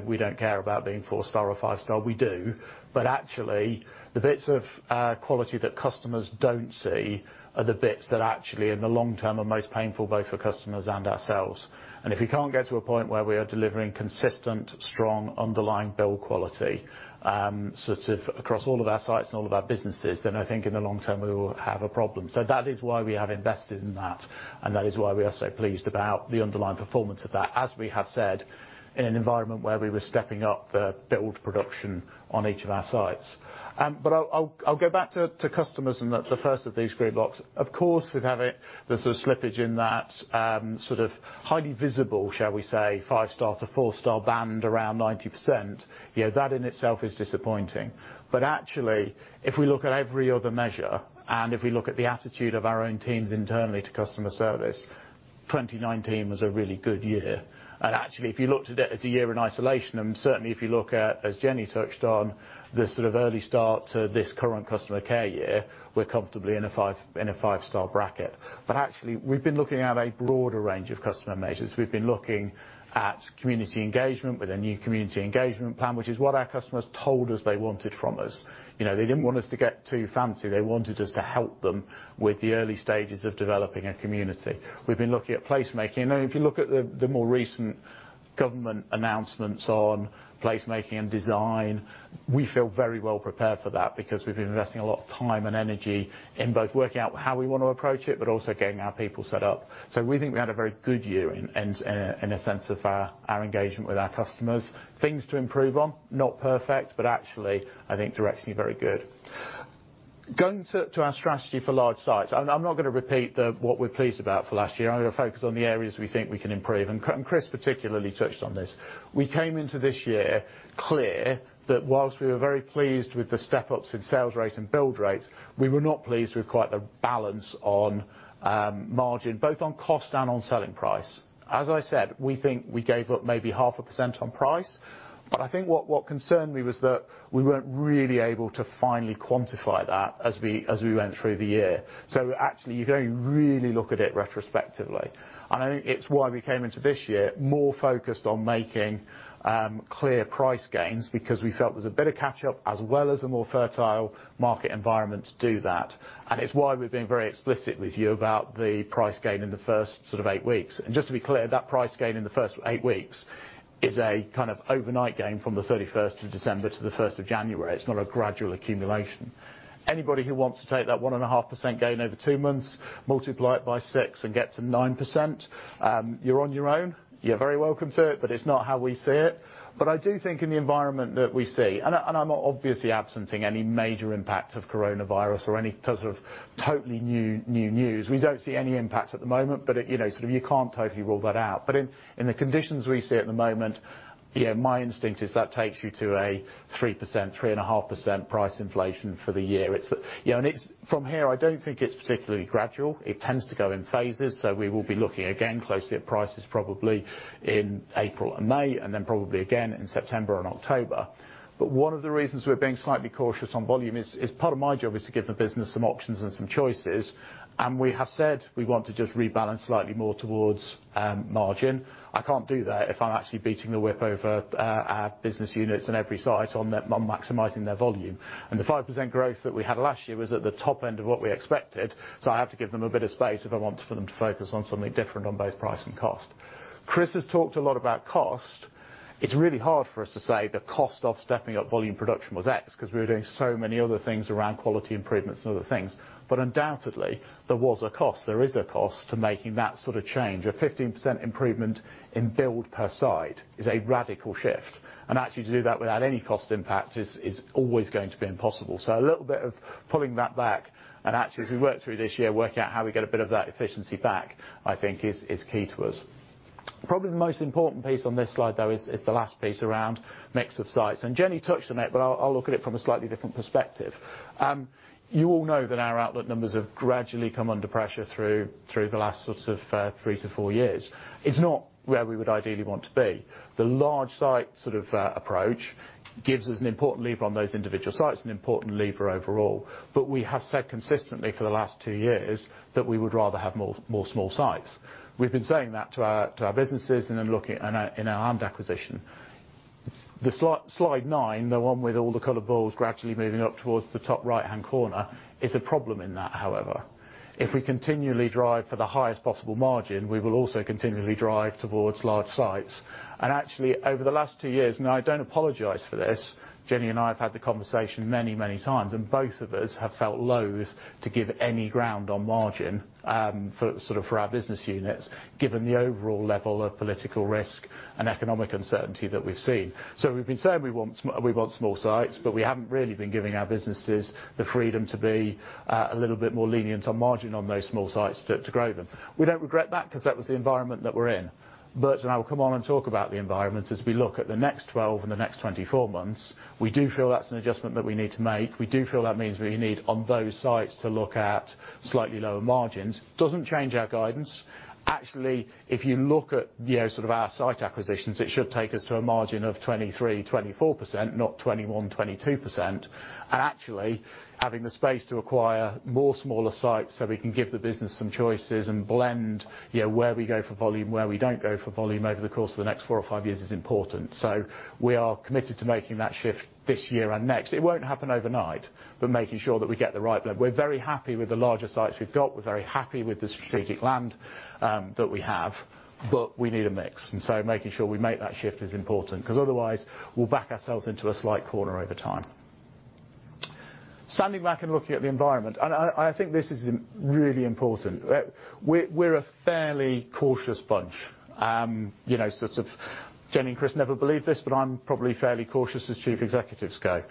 we don't care about being four-star or five-star. We do. Actually, the bits of quality that customers don't see are the bits that actually in the long term are most painful both for customers and ourselves. If we can't get to a point where we are delivering consistent, strong underlying build quality, across all of our sites and all of our businesses, then I think in the long term we will have a problem. That is why we have invested in that, and that is why we are so pleased about the underlying performance of that, as we have said, in an environment where we were stepping up the build production on each of our sites. I'll go back to customers and the first of these grid blocks. Of course, there's a slippage in that sort of highly visible, shall we say, five-star to four-star band around 90%. That in itself is disappointing. Actually, if we look at every other measure, and if we look at the attitude of our own teams internally to customer service, 2019 was a really good year. Actually, if you looked at it as a year in isolation, and certainly if you look at, as Jennie touched on, the sort of early start to this current customer care year, we're comfortably in a five-star bracket. Actually, we've been looking at a broader range of customer measures. We've been looking at community engagement with a new community engagement plan, which is what our customers told us they wanted from us. They didn't want us to get too fancy. They wanted us to help them with the early stages of developing a community. We've been looking at placemaking. If you look at the more recent government announcements on placemaking and design, we feel very well prepared for that because we've been investing a lot of time and energy in both working out how we want to approach it, but also getting our people set up. We think we had a very good year in a sense of our engagement with our customers. Things to improve on, not perfect, but actually I think directionally very good. Going to our strategy for large sites. I'm not going to repeat what we're pleased about for last year. I'm going to focus on the areas we think we can improve, and Chris particularly touched on this. We came into this year clear that whilst we were very pleased with the step-ups in sales rate and build rates, we were not pleased with quite the balance on margin, both on cost and on selling price. As I said, we think we gave up maybe 0.5% on price. I think what concerned me was that we weren't really able to finally quantify that as we went through the year. Actually, you're going to really look at it retrospectively. I think it's why we came into this year more focused on making clear price gains because we felt there was a better catch-up, as well as a more fertile market environment to do that. It's why we've been very explicit with you about the price gain in the first eight weeks. Just to be clear, that price gain in the first eight weeks is a kind of overnight gain from the 31st of December to the 1st of January. It's not a gradual accumulation. Anybody who wants to take that 1.5% gain over two months, multiply it by six and get to 9%, you're on your own. You're very welcome to it, but it's not how we see it. I do think in the environment that we see, and I'm obviously absenting any major impact of coronavirus or any sort of totally new news, we don't see any impact at the moment, but you can't totally rule that out. In the conditions we see at the moment, my instinct is that takes you to a 3%, 3.5% price inflation for the year. From here, I don't think it's particularly gradual. It tends to go in phases. We will be looking again closely at prices probably in April and May, then probably again in September and October. One of the reasons we're being slightly cautious on volume is part of my job is to give the business some options and some choices. We have said we want to just rebalance slightly more towards margin. I can't do that if I'm actually beating the whip over our business units in every site on maximizing their volume. The 5% growth that we had last year was at the top end of what we expected. I have to give them a bit of space if I want for them to focus on something different on both price and cost. Chris has talked a lot about cost. It's really hard for us to say the cost of stepping up volume production was X because we were doing so many other things around quality improvements and other things. Undoubtedly, there was a cost. There is a cost to making that sort of change. A 15% improvement in build per site is a radical shift. Actually, to do that without any cost impact is always going to be impossible. A little bit of pulling that back, actually, as we work through this year, working out how we get a bit of that efficiency back, I think, is key to us. Probably the most important piece on this slide, though, is the last piece around mix of sites. Jennie touched on it, but I'll look at it from a slightly different perspective. You all know that our outlet numbers have gradually come under pressure through the last sort of three to four years. It's not where we would ideally want to be. The large site sort of approach gives us an important lever on those individual sites, an important lever overall. We have said consistently for the last two years that we would rather have more small sites. We've been saying that to our businesses and in our land acquisition. The slide nine, the one with all the coloured balls gradually moving up towards the top right-hand corner, is a problem in that, however. If we continually drive for the highest possible margin, we will also continually drive towards large sites. Actually, over the last two years, and I don't apologise for this, Jennie and I have had the conversation many times, and both of us have felt loathe to give any ground on margin sort of for our business units, given the overall level of political risk and economic uncertainty that we've seen. We've been saying we want small sites, but we haven't really been giving our businesses the freedom to be a little bit more lenient on margin on those small sites to grow them. We don't regret that because that was the environment that we're in. I will come on and talk about the environment as we look at the next 12 and the next 24 months, we do feel that's an adjustment that we need to make. We do feel that means we need on those sites to look at slightly lower margins. Doesn't change our guidance. Actually, if you look at sort of our site acquisitions, it should take us to a margin of 23%-24%, not 21%-22%. Actually, having the space to acquire more smaller sites so we can give the business some choices and blend where we go for volume, where we don't go for volume over the course of the next four or five years is important. We are committed to making that shift this year and next. It won't happen overnight, but making sure that we get the right blend. We're very happy with the larger sites we've got. We're very happy with the strategic land that we have. We need a mix. Making sure we make that shift is important because otherwise we'll back ourselves into a slight corner over time. Standing back and looking at the environment, I think this is really important. We're a fairly cautious bunch. Jennie and Chris never believe this, but I'm probably fairly cautious as Chief Executives go.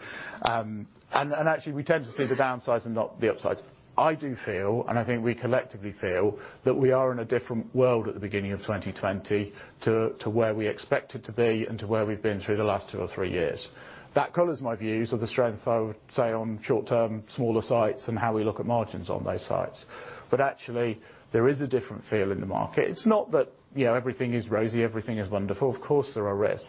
Actually, we tend to see the downsides and not the upsides. I do feel, I think we collectively feel, that we are in a different world at the beginning of 2020 to where we expect it to be and to where we've been through the last two or three years. That colours my views of the strength, I would say, on short term, smaller sites and how we look at margins on those sites. Actually, there is a different feel in the market. It's not that everything is rosy, everything is wonderful. Of course, there are risks.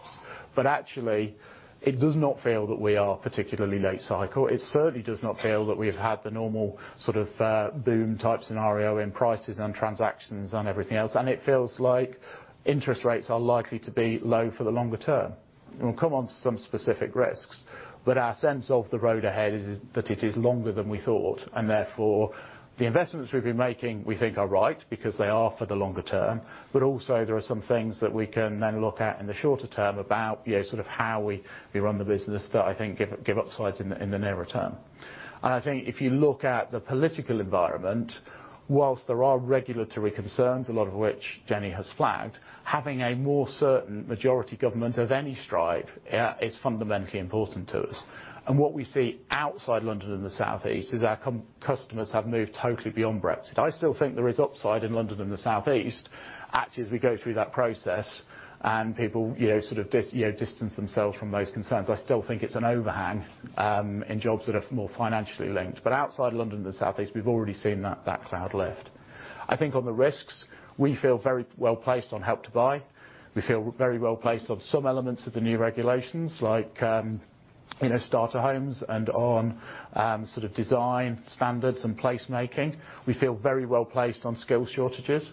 Actually, it does not feel that we are particularly late cycle. It certainly does not feel that we've had the normal sort of boom-type scenario in prices and transactions and everything else. It feels like interest rates are likely to be low for the longer term. We'll come on to some specific risks. Our sense of the road ahead is that it is longer than we thought, and therefore, the investments we've been making we think are right because they are for the longer term. Also there are some things that we can then look at in the shorter term about how we run the business that I think give upsides in the nearer term. I think if you look at the political environment, whilst there are regulatory concerns, a lot of which Jennie has flagged, having a more certain majority government of any stripe, is fundamentally important to us. What we see outside London and the South East, is our customers have moved totally beyond Brexit. I still think there is upside in London and the South East, actually, as we go through that process and people distance themselves from those concerns. I still think it's an overhang in jobs that are more financially linked. Outside of London and the South East, we've already seen that cloud lift. I think on the risks, we feel very well-placed on Help to Buy. We feel very well-placed on some elements of the new regulations, like starter homes and on design standards and place making. We feel very well-placed on skill shortages.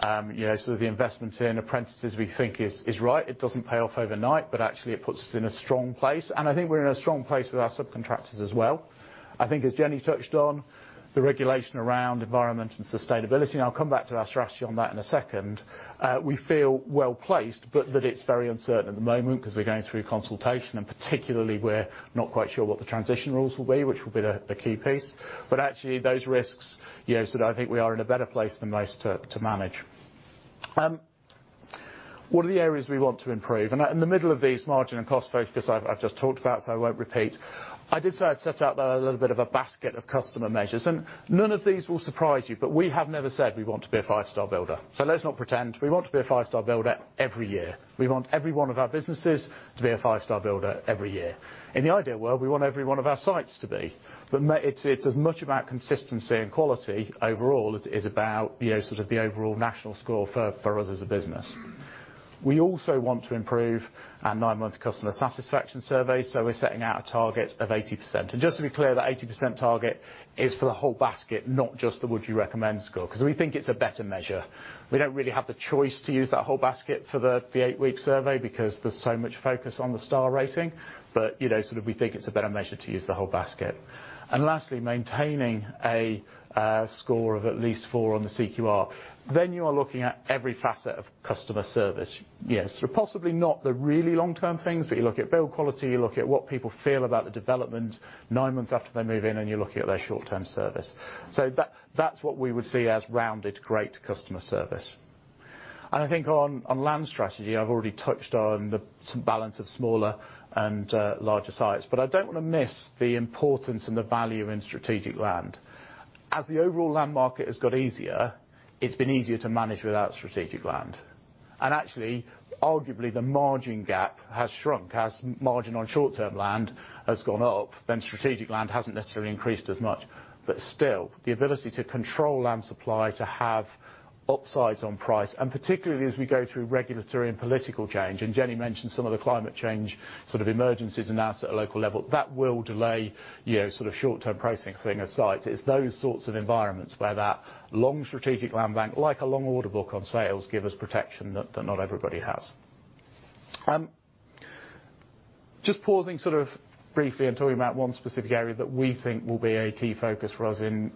The investment in apprentices we think is right. It doesn't pay off overnight, but actually it puts us in a strong place. I think we're in a strong place with our subcontractors as well. I think as Jennie touched on, the regulation around environment and sustainability, and I'll come back to our strategy on that in a second. We feel well-placed, but that it's very uncertain at the moment because we're going through consultation, and particularly we're not quite sure what the transition rules will be, which will be the key piece. Actually, those risks, I think we are in a better place than most to manage. What are the areas we want to improve? In the middle of these, margin and cost focus I've just talked about, so I won't repeat. I did say I'd set out a little bit of a basket of customer measures, and none of these will surprise you, but we have never said we want to be a five-star builder. Let's not pretend. We want to be a five-star builder every year. We want every one of our businesses to be a five-star builder every year. In the ideal world, we want every one of our sites to be. It's as much about consistency and quality overall, as it is about the overall national score for us as a business. We also want to improve our nine-month customer satisfaction survey, we're setting out a target of 80%. Just to be clear, that 80% target is for the whole basket, not just the would you recommend score, because we think it's a better measure. We don't really have the choice to use that whole basket for the eight-week survey because there's so much focus on the star rating. We think it's a better measure to use the whole basket. Lastly, maintaining a score of at least four on the CQR. You are looking at every facet of customer service. Yes. Possibly not the really long-term things, but you look at build quality, you look at what people feel about the development nine months after they move in, and you're looking at their short-term service. That's what we would see as rounded great customer service. I think on land strategy, I've already touched on the balance of smaller and larger sites. I don't want to miss the importance and the value in strategic land. As the overall land market has got easier, it's been easier to manage without strategic land. Actually, arguably, the margin gap has shrunk. As margin on short-term land has gone up, then strategic land hasn't necessarily increased as much. Still, the ability to control land supply to have upsides on price, and particularly as we go through regulatory and political change, and Jennie mentioned some of the climate change emergencies announced at a local level, that will delay short-term pricing thing aside. It's those sorts of environments where that long strategic land bank, like a long order book on sales, give us protection that not everybody has. Just pausing sort of briefly and talking about one specific area that we think will be a key focus for us in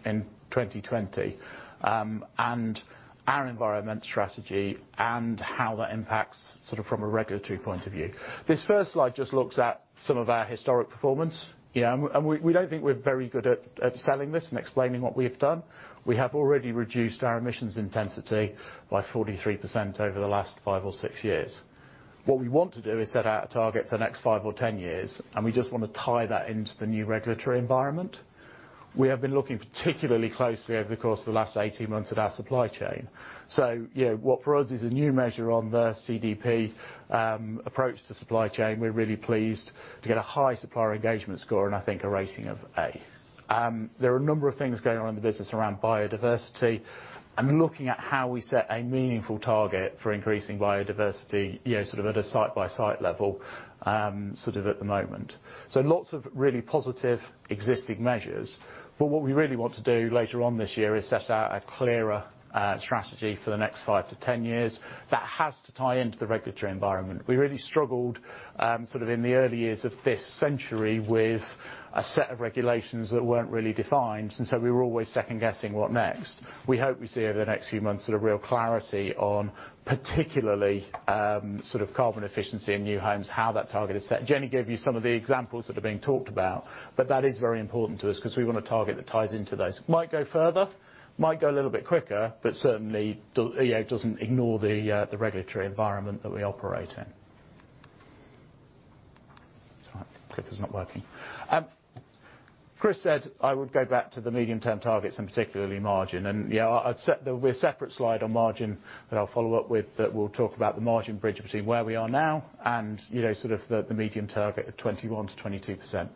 2020, and our environment strategy and how that impacts from a regulatory point of view. This first slide just looks at some of our historic performance. We don't think we're very good at selling this and explaining what we've done. We have already reduced our emissions intensity by 43% over the last five or six years. What we want to do is set out a target for the next five or 10 years, and we just want to tie that into the new regulatory environment. We have been looking particularly closely over the course of the last 18 months at our supply chain. What for us is a new measure on the CDP approach to supply chain, we are really pleased to get a high supplier engagement score and I think a rating of A. There are a number of things going on in the business around biodiversity, and we are looking at how we set a meaningful target for increasing biodiversity, sort of at a site-by-site level, sort of at the moment. Lots of really positive existing measures. What we really want to do later on this year is set out a clearer strategy for the next 5-10 years that has to tie into the regulatory environment. We really struggled in the early years of this century with a set of regulations that weren't really defined, we were always second-guessing what next. We hope we see over the next few months sort of real clarity on particularly sort of carbon efficiency in new homes, how that target is set. Jennie gave you some of the examples that are being talked about, that is very important to us because we want a target that ties into those. Might go further, might go a little bit quicker, certainly it doesn't ignore the regulatory environment that we operate in. Clicker's not working. Chris said I would go back to the medium-term targets and particularly margin. Yeah, there'll be a separate slide on margin that I'll follow up with that we'll talk about the margin bridge between where we are now and sort of the medium target of 21%-22%.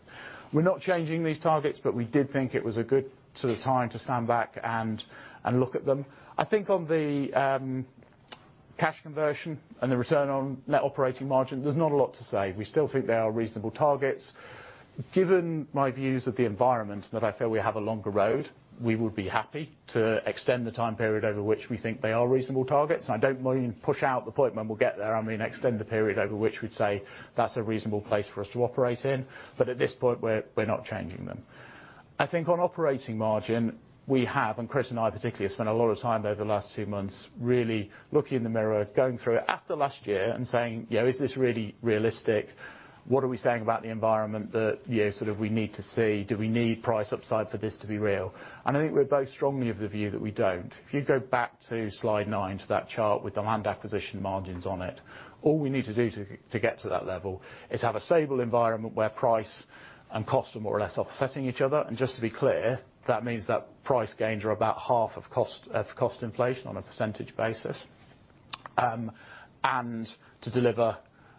We're not changing these targets, we did think it was a good time to stand back and look at them. I think on the cash conversion and the return on net operating margin, there's not a lot to say. We still think they are reasonable targets. Given my views of the environment, that I feel we have a longer road, we would be happy to extend the time period over which we think they are reasonable targets. I don't mean push out the point when we'll get there. I mean, extend the period over which we'd say that's a reasonable place for us to operate in. At this point, we're not changing them. I think on operating margin, we have, and Chris and I particularly have spent a lot of time over the last two months really looking in the mirror, going through it after last year and saying, "Is this really realistic? What are we saying about the environment that we need to see? Do we need price upside for this to be real?" I think we're both strongly of the view that we don't. If you go back to slide nine, to that chart with the land acquisition margins on it, all we need to do to get to that level is have a stable environment where price and cost are more or less offsetting each other. Just to be clear, that means that price gains are about half of cost inflation on a percentage basis, and to deliver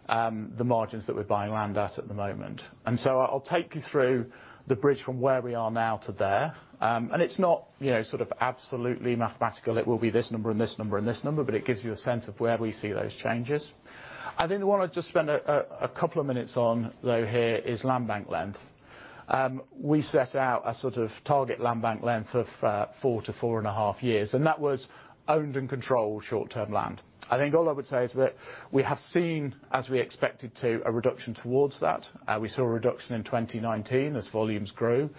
the margins that we're buying land at at the moment. I'll take you through the bridge from where we are now to there. It's not absolutely mathematical, it will be this number and this number and this number, but it gives you a sense of where we see those changes. I think the one I just spend a couple of minutes on, though here, is landbank length. We set out a sort of target landbank length of four to four and a half years, and that was owned and controlled short-term land. I think all I would say is that we have seen, as we expected to, a reduction towards that. We saw a reduction in 2019 as volumes grew,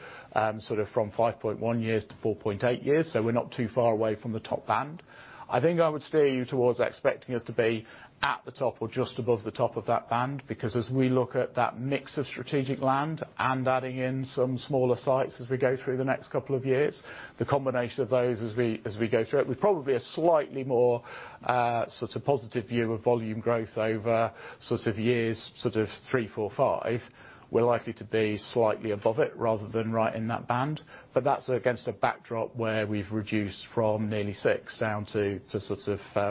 sort of from 5.1 years to 4.8 years, so we're not too far away from the top band. I think I would steer you towards expecting us to be at the top or just above the top of that band, because as we look at that mix of strategic land and adding in some smaller sites as we go through the next couple of years, the combination of those as we go through it, we're probably a slightly more positive view of volume growth over years three, four, five. We're likely to be slightly above it rather than right in that band. That's against a backdrop where we've reduced from nearly six down to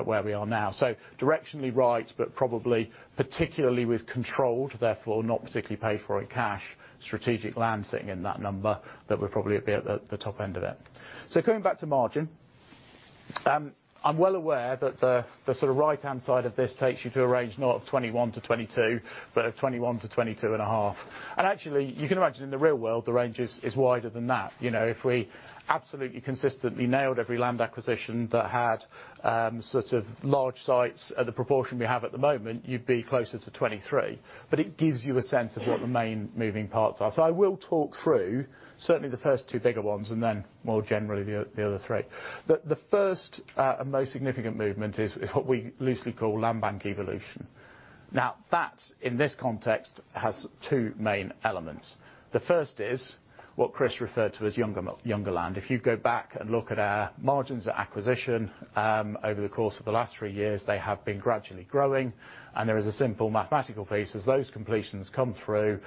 where we are now. Directionally right, but probably particularly with controlled, therefore not particularly paid for in cash, strategic land sitting in that number, that we're probably a bit at the top end of it. Coming back to margin. I'm well aware that the right-hand side of this takes you to a range not of 21%-22%, but of 21%-22.5%. Actually, you can imagine in the real world, the range is wider than that. If we absolutely consistently nailed every land acquisition that had large sites at the proportion we have at the moment, you'd be closer to 23%. It gives you a sense of what the main moving parts are. I will talk through certainly the first two bigger ones and then more generally the other three. The first and most significant movement is what we loosely call landbank evolution. That, in this context, has two main elements. The first is what Chris referred to as younger land. If you go back and look at our margins at acquisition, over the course of the last three years, they have been gradually growing, and there is a simple mathematical piece. As those completions come through,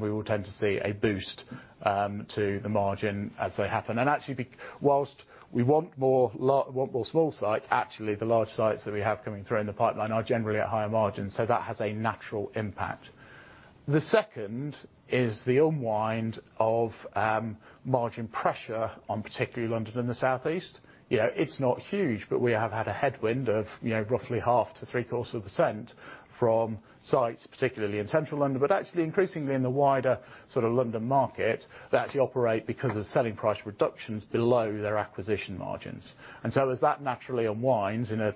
we will tend to see a boost to the margin as they happen. Actually, whilst we want more small sites, actually, the large sites that we have coming through in the pipeline are generally at higher margins, that has a natural impact. The second is the unwind of margin pressure on particularly London and the South East. It's not huge, we have had a headwind of roughly 0.5%-0.75% from sites, particularly in Central London. Actually, increasingly in the wider London market that operate because of selling price reductions below their acquisition margins. As that naturally unwinds in a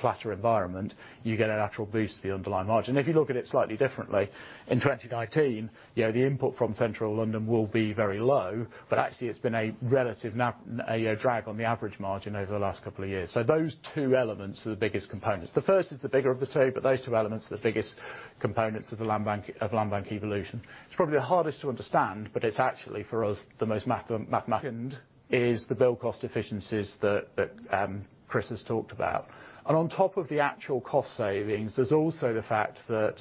flatter environment, you get a natural boost to the underlying margin. If you look at it slightly differently, in 2019, the input from Central London will be very low, but actually it's been a drag on the average margin over the last couple of years. Those two elements are the biggest components. The first is the bigger of the two, but those two elements are the biggest components of landbank evolution. It's probably the hardest to understand, but it's actually, for us, the most mathematical. Second, is the build cost efficiencies that Chris has talked about. On top of the actual cost savings, there's also the fact that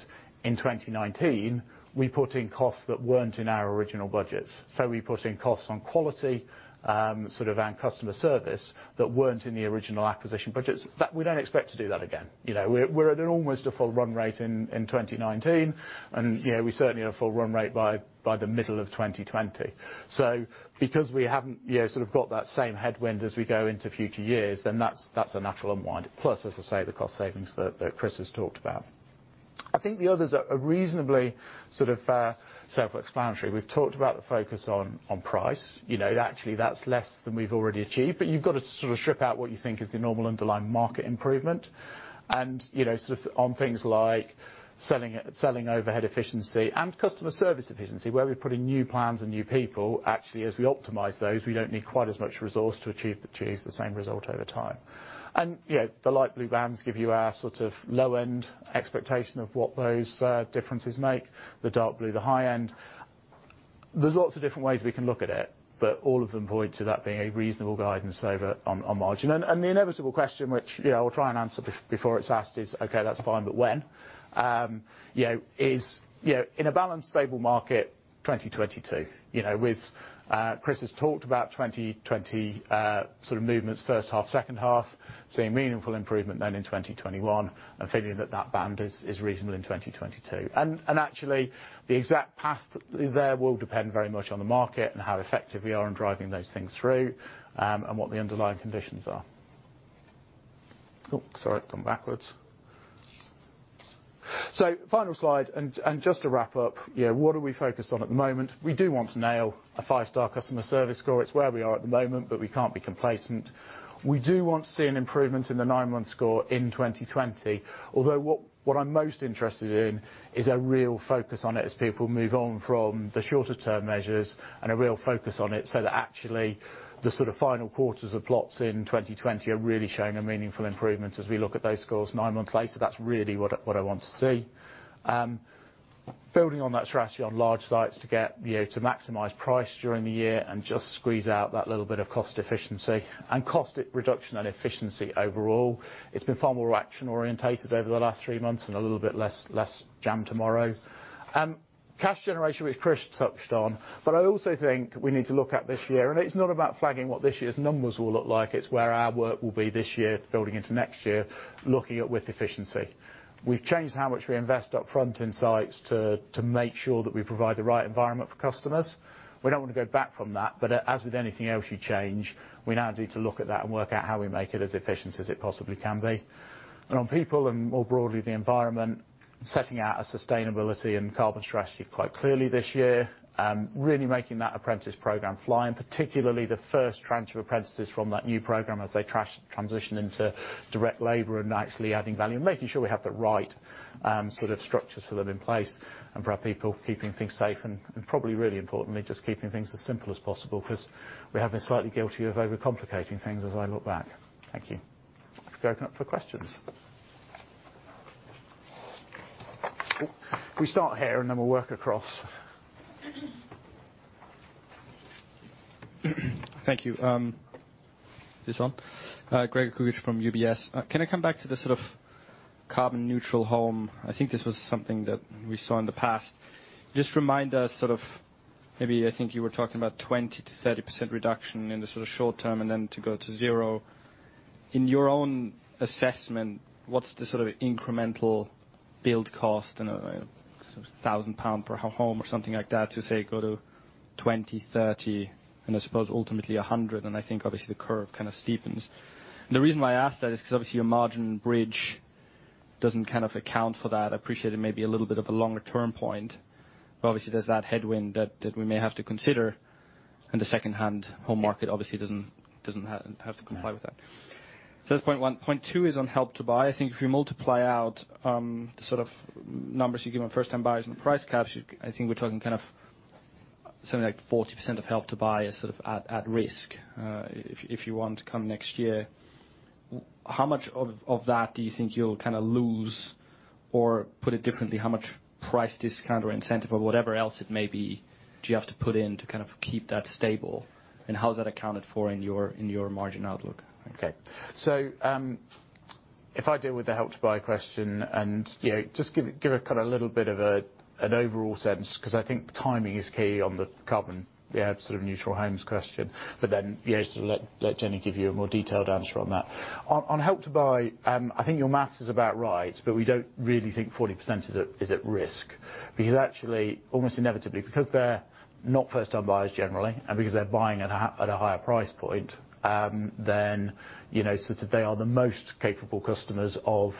in 2019, we put in costs that weren't in our original budgets. We put in costs on quality, and customer service that weren't in the original acquisition budgets. We don't expect to do that again. We're at an almost a full run rate in 2019, and we certainly are full run rate by the middle of 2020. Because we haven't got that same headwind as we go into future years, then that's a natural unwind. Plus, as I say, the cost savings that Chris has talked about. I think the others are reasonably self-explanatory. We've talked about the focus on price. Actually, that's less than we've already achieved, but you've got to strip out what you think is the normal underlying market improvement. On things like selling overhead efficiency and customer service efficiency, where we put in new plans and new people, actually, as we optimise those, we don't need quite as much resource to achieve the same result over time. The light blue bands give you our low-end expectation of what those differences make. The dark blue, the high-end. There's lots of different ways we can look at it, but all of them point to that being a reasonable guidance on margin. The inevitable question, which I will try and answer before it's asked, is, "Okay, that's fine, but when?" In a balanced, stable market, 2022. Chris has talked about 2020 movements, first half, second half. Seeing meaningful improvement then in 2021, figuring that that band is reasonable in 2022. Actually, the exact path there will depend very much on the market and how effective we are in driving those things through, and what the underlying conditions are. Oh, sorry, come backwards. Final slide and just to wrap up. What are we focused on at the moment? We do want to nail a five-star customer service score. It's where we are at the moment, but we can't be complacent. We do want to see an improvement in the nine-month score in 2020. Although what I'm most interested in is a real focus on it as people move on from the shorter term measures and a real focus on it, so that actually the sort of final quarters of plots in 2020 are really showing a meaningful improvement as we look at those scores nine months later. That's really what I want to see. Building on that strategy on large sites to get to maximise price during the year and just squeeze out that little bit of cost efficiency and cost reduction and efficiency overall. It's been far more action oriented over the last three months and a little bit less jam tomorrow. Cash generation, which Chris touched on. I also think we need to look at this year, and it's not about flagging what this year's numbers will look like. It's where our work will be this year, building into next year, looking at WIP efficiency. We've changed how much we invest up front in sites to make sure that we provide the right environment for customers. We don't want to go back from that, but as with anything else you change, we now need to look at that and work out how we make it as efficient as it possibly can be. On people and more broadly, the environment, setting out a sustainability and carbon strategy quite clearly this year, really making that apprentice programme fly, and particularly the first tranche of apprentices from that new programme as they transition into direct labour and actually adding value and making sure we have the right sort of structures for them in place and for our people, keeping things safe and probably really importantly, just keeping things as simple as possible because we have been slightly guilty of overcomplicating things as I look back. Thank you. Open up for questions. We start here and then we'll work across. Thank you. This on? Greg Kuglitsch from UBS. Can I come back to the sort of carbon-neutral home? I think this was something that we saw in the past. Just remind us, sort of maybe I think you were talking about 20%-30% reduction in the sort of short term and then to go to zero. In your own assessment, what's the sort of incremental build cost and sort of 1,000 pound per home or something like that to say go to 2030 and I suppose ultimately 100% and I think obviously the curve kind of steepens. The reason why I ask that is because obviously your margin bridge doesn't kind of account for that. I appreciate it may be a little bit of a longer-term point. Obviously there's that headwind that we may have to consider and the second-hand home market obviously doesn't have to comply with that. That's point one. Point two is on Help to Buy. I think if you multiply out the sort of numbers you give on first time buyers and the price caps, I think we're talking kind of something like 40% of Help to Buy is sort of at risk. If you want to come next year, how much of that do you think you'll kind of lose? Put it differently, how much price discount or incentive or whatever else it may be do you have to put in to kind of keep that stable and how is that accounted for in your margin outlook? If I deal with the Help to Buy question and just give a kind of a little bit of an overall sense because I think timing is key on the carbon sort of neutral homes question, but then sort of let Jennie give you a more detailed answer on that. On Help to Buy, I think your math is about right, but we don't really think 40% is at risk because actually almost inevitably because they're not first-time buyers generally and because they're buying at a higher price point, then sort of they are the most capable customers of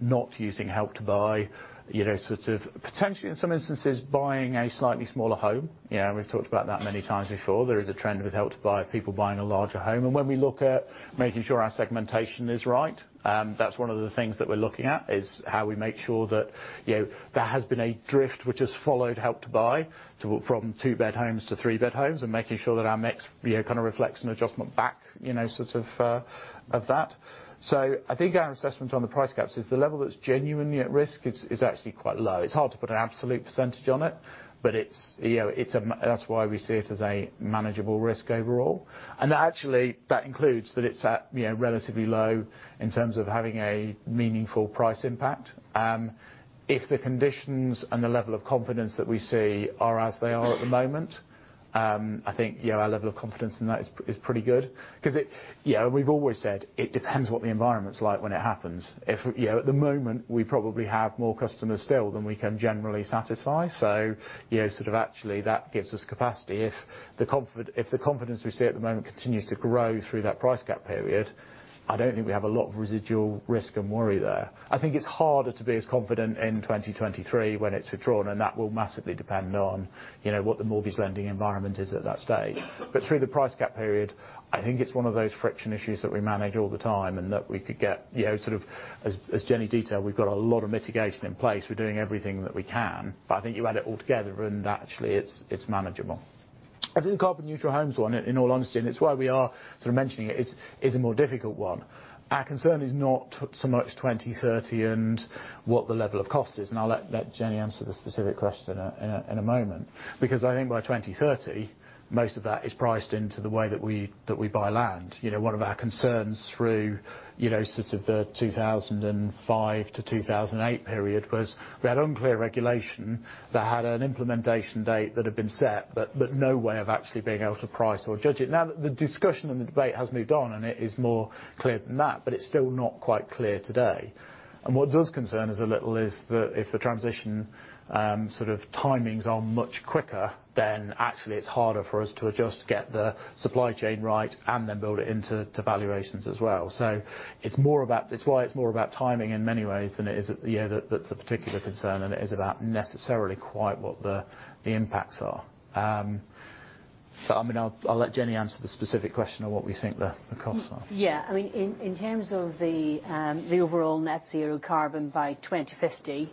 not using Help to Buy. Sort of potentially in some instances buying a slightly smaller home. We've talked about that many times before. There is a trend with Help to Buy, people buying a larger home. When we look at making sure our segmentation is right, that's one of the things that we're looking at is how we make sure that there has been a drift which has followed Help to Buy from two-bed homes to three-bed homes and making sure that our mix kind of reflects an adjustment back sort of that. I think our assessment on the price gaps is the level that's genuinely at risk is actually quite low. It's hard to put an absolute percentage on it, but that's why we see it as a manageable risk overall. Actually, that includes that it's at relatively low in terms of having a meaningful price impact. If the conditions and the level of confidence that we see are as they are at the moment, I think our level of confidence in that is pretty good. We've always said it depends what the environment's like when it happens. At the moment, we probably have more customers still than we can generally satisfy. Sort of actually that gives us capacity. If the confidence we see at the moment continues to grow through that price gap period, I don't think we have a lot of residual risk and worry there. I think it's harder to be as confident in 2023 when it's withdrawn, and that will massively depend on what the mortgage lending environment is at that stage. Through the price gap period, I think it's one of those friction issues that we manage all the time and that we could get sort of, as Jennie detailed, we've got a lot of mitigation in place. We're doing everything that we can. I think you add it all together and actually it's manageable. I think the carbon-neutral homes one, in all honesty, and it's why we are sort of mentioning it, is a more difficult one. Our concern is not so much 2030 and what the level of cost is, and I'll let Jennie answer the specific question in a moment. I think by 2030, most of that is priced into the way that we buy land. One of our concerns through sort of the 2005 to 2008 period was we had unclear regulation that had an implementation date that had been set, but no way of actually being able to price or judge it. Now the discussion and the debate has moved on, and it is more clear than that, but it's still not quite clear today. What does concern us a little is that if the transition sort of timings are much quicker, then actually it's harder for us to adjust to get the supply chain right and then build it into valuations as well. It's why it's more about timing in many ways than it is that's a particular concern and it is about necessarily quite what the impacts are. I'll let Jennie answer the specific question on what we think the costs are. Yeah. In terms of the overall net zero carbon by 2050,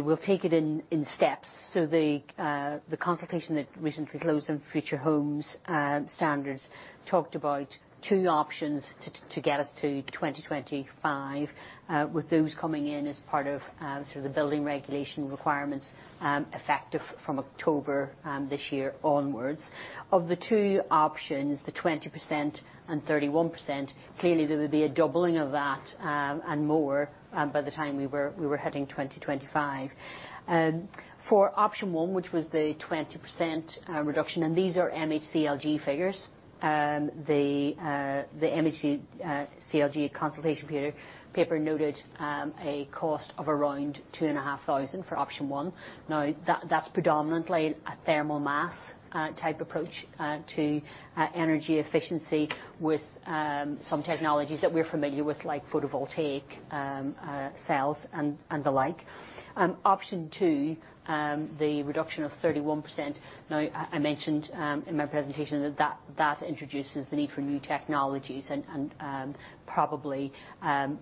we'll take it in steps. The consultation that recently closed on Future Homes standard talked about two options to get us to 2025, with those coming in as part of sort of the building regulation requirements effective from October this year onwards. Of the two options, the 20% and 31%, clearly there would be a doubling of that and more by the time we were heading 2025. For option one, which was the 20% reduction, and these are MHCLG figures, the MHCLG consultation paper noted a cost of around 2,500 for option one. That's predominantly a thermal mass type approach to energy efficiency with some technologies that we're familiar with, like photovoltaic cells and the like. Option two, the reduction of 31%. I mentioned in my presentation that that introduces the need for new technologies and probably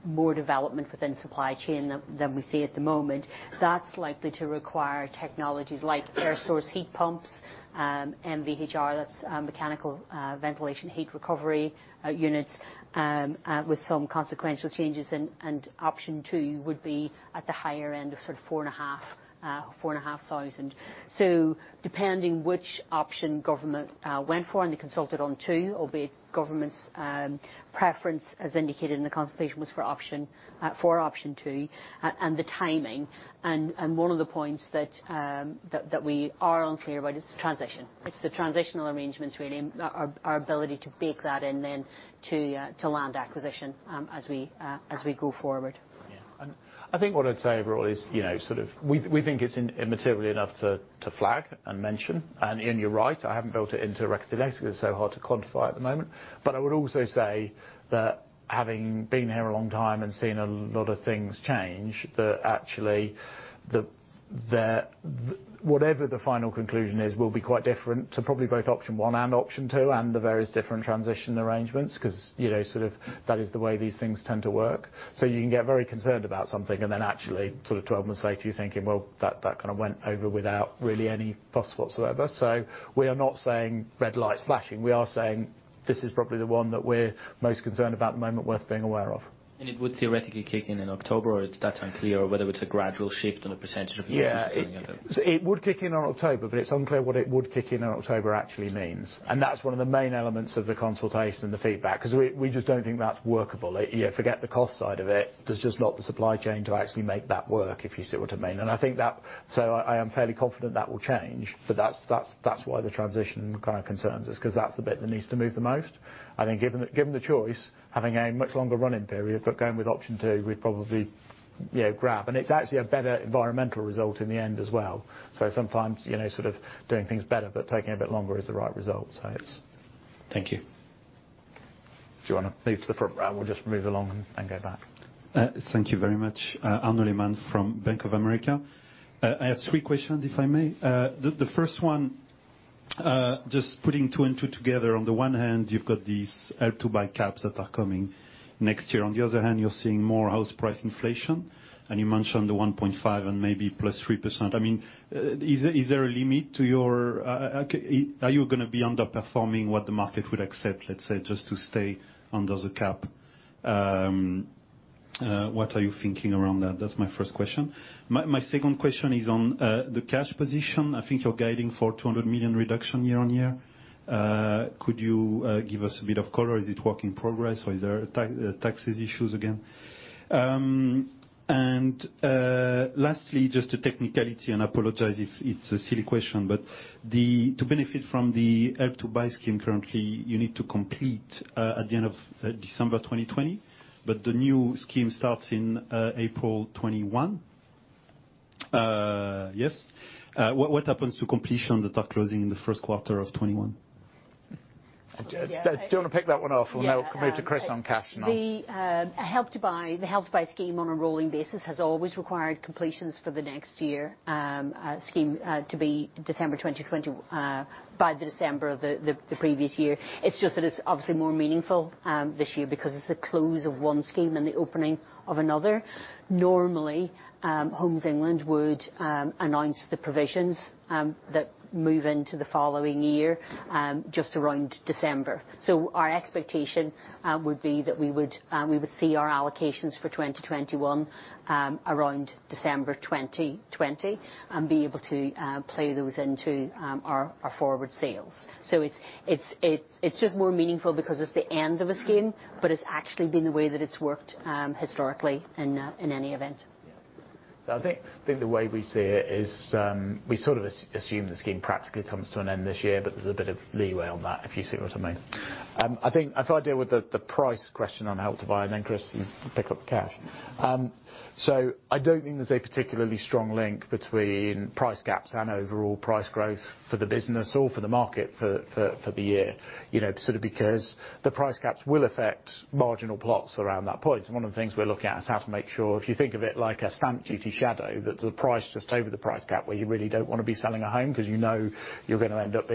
more development within supply chain than we see at the moment. That's likely to require technologies like air source heat pumps, MVHR, that's mechanical ventilation heat recovery units, with some consequential changes. Option two would be at the higher end of sort of 4,500. Depending which option government went for, and they consulted on two, albeit government's preference as indicated in the consultation was for option two, and the timing, and one of the points that we are unclear about is the transition. It's the transitional arrangements really, and our ability to bake that in then to land acquisition as we go forward. Yeah. I think what I'd say overall is we think it's immaterial enough to flag and mention. You're right, I haven't built it into reckoning today because it's so hard to quantify at the moment. I would also say that having been here a long time and seen a lot of things change, that actually, whatever the final conclusion is will be quite different to probably both option one and option two and the various different transition arrangements, because that is the way these things tend to work. You can get very concerned about something and then actually sort of 12 months later you're thinking, well, that kind of went over without really any fuss whatsoever. We are not saying red lights flashing. We are saying this is probably the one that we're most concerned about at the moment worth being aware of. It would theoretically kick in in October, or that's unclear, or whether it's a gradual shift. Yeah. Versus anything other. It would kick in on October, but it's unclear what it would kick in on October actually means. That's one of the main elements of the consultation and the feedback. We just don't think that's workable. Forget the cost side of it. There's just not the supply chain to actually make that work, if you see what I mean. I think that, so I am fairly confident that will change. That's why the transition kind of concerns us, because that's the bit that needs to move the most. I think given the choice, having a much longer run-in period, but going with option two, we'd probably grab. It's actually a better environmental result in the end as well. Sometimes, sort of doing things better, but taking a bit longer is the right result. Thank you. Do you want to move to the front? We'll just move along and go back. Thank you very much. Arnaud Lehmann from Bank of America. I have three questions, if I may. The first one, just putting two and two together. On the one hand, you've got these Help to Buy caps that are coming next year. On the other hand, you're seeing more house price inflation, and you mentioned the 1.5% and maybe +3%. Is there a limit? Are you going to be underperforming what the market would accept, let's say, just to stay under the cap? What are you thinking around that? That's my first question. My second question is on the cash position. I think you're guiding for 200 million reduction year-on-year. Could you give us a bit of colour? Is it work in progress, or is there taxes issues again? Lastly, just a technicality, and I apologise if it's a silly question, but to benefit from the Help to Buy scheme currently, you need to complete at the end of December 2020, but the new scheme starts in April 2021. Yes. What happens to completions that are closing in the first quarter of 2021? Do you want to pick that one off? We'll come over to Chris on cash and all. The Help to Buy scheme on a rolling basis has always required completions for the next year scheme to be December 2020 by the December of the previous year. It's just that it's obviously more meaningful this year because it's the close of one scheme and the opening of another. Normally, Homes England would announce the provisions that move into the following year just around December. Our expectation would be that we would see our allocations for 2021 around December 2020 and be able to play those into our forward sales. It's just more meaningful because it's the end of a scheme, but it's actually been the way that it's worked historically in any event. I think the way we see it is, we sort of assume the scheme practically comes to an end this year, but there's a bit of leeway on that, if you see what I mean. If I deal with the price question on Help to Buy, and then Chris, you pick up the cash. I don't think there's a particularly strong link between price caps and overall price growth for the business or for the market for the year. Because the price caps will affect marginal plots around that point. One of the things we're looking at is how to make sure, if you think of it like a stamp duty shadow, that the price just over the price cap where you really don't want to be selling a home because you know you're going to end up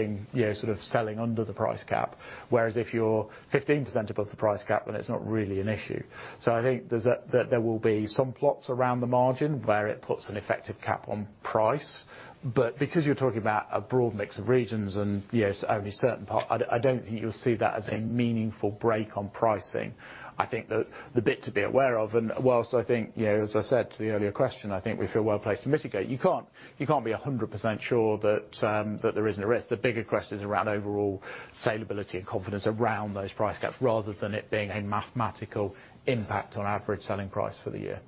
selling under the price cap. Whereas if you're 15% above the price cap, then it's not really an issue. I think there will be some plots around the margin where it puts an effective cap on price. Because you're talking about a broad mix of regions and yes, only certain part, I don't think you'll see that as a meaningful break on pricing. I think that the bit to be aware of, and whilst I think, as I said to the earlier question, I think we feel well-placed to mitigate. You can't be 100% sure that there isn't a risk. The bigger question is around overall saleability and confidence around those price gaps, rather than it being a mathematical impact on average selling price for the year.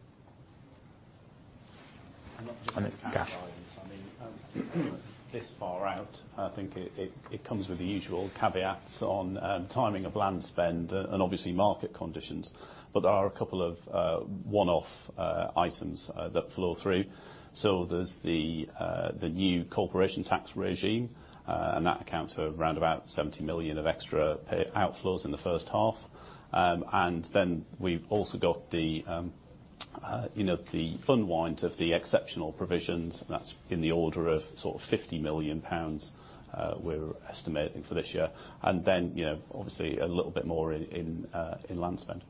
Then cash. Obviously cash guidance. This far out, I think it comes with the usual caveats on timing of land spend and obviously market conditions. There are a couple of one-off items that flow through. There's the new corporation tax regime. That accounts for around about 70 million of extra outflows in the first half. We've also got the unwind of the exceptional provisions. That's in the order of sort of 50 million pounds we're estimating for this year. Obviously a little bit more in land spend.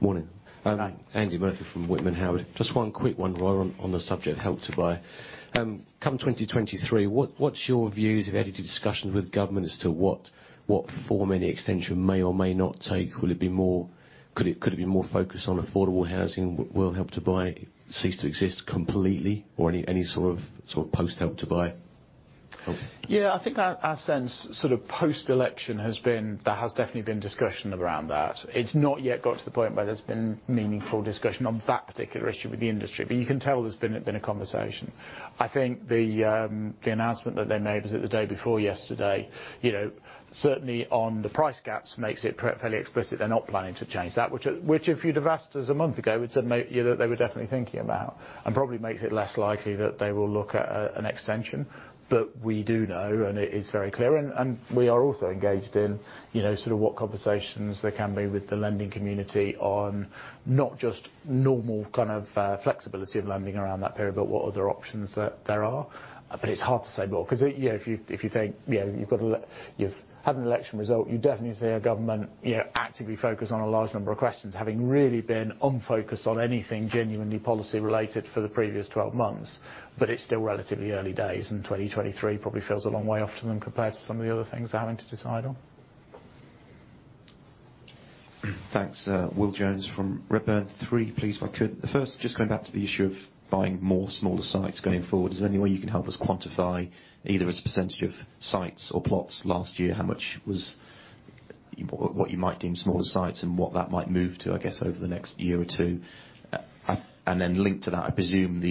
Morning. Hi. Andy Murphy from Whitman Howard. Just one quick one while we're on the subject of Help to Buy. Come 2023, what's your views? Have you had any discussions with government as to what form any extension may or may not take? Could it be more focused on affordable housing? Will Help to Buy cease to exist completely? Any sort of post Help to Buy? Yeah, I think our sense sort of post-election there has definitely been discussion around that. It's not yet got to the point where there's been meaningful discussion on that particular issue with the industry, but you can tell there's been a conversation. I think the announcement that they made, was it the day before yesterday, certainly on the price gaps makes it fairly explicit they're not planning to change that. If you'd have asked us a month ago, we'd said maybe they were definitely thinking about, and probably makes it less likely that they will look at an extension. We do know, and it is very clear, and we are also engaged in sort of what conversations there can be with the lending community on not just normal kind of flexibility of lending around that period, but what other options that there are. It's hard to say more because if you've had an election result, you definitely see a government actively focused on a large number of questions, having really been unfocused on anything genuinely policy related for the previous 12 months. It's still relatively early days, and 2023 probably feels a long way off to them compared to some of the other things they're having to decide on. Thanks. Will Jones from Redburn. Three please, if I could. The first, just going back to the issue of buying more smaller sites going forward. Is there any way you can help us quantify either as a percentage of sites or plots last year, how much was what you might deem smaller sites and what that might move to, I guess, over the next year or two? Linked to that, I presume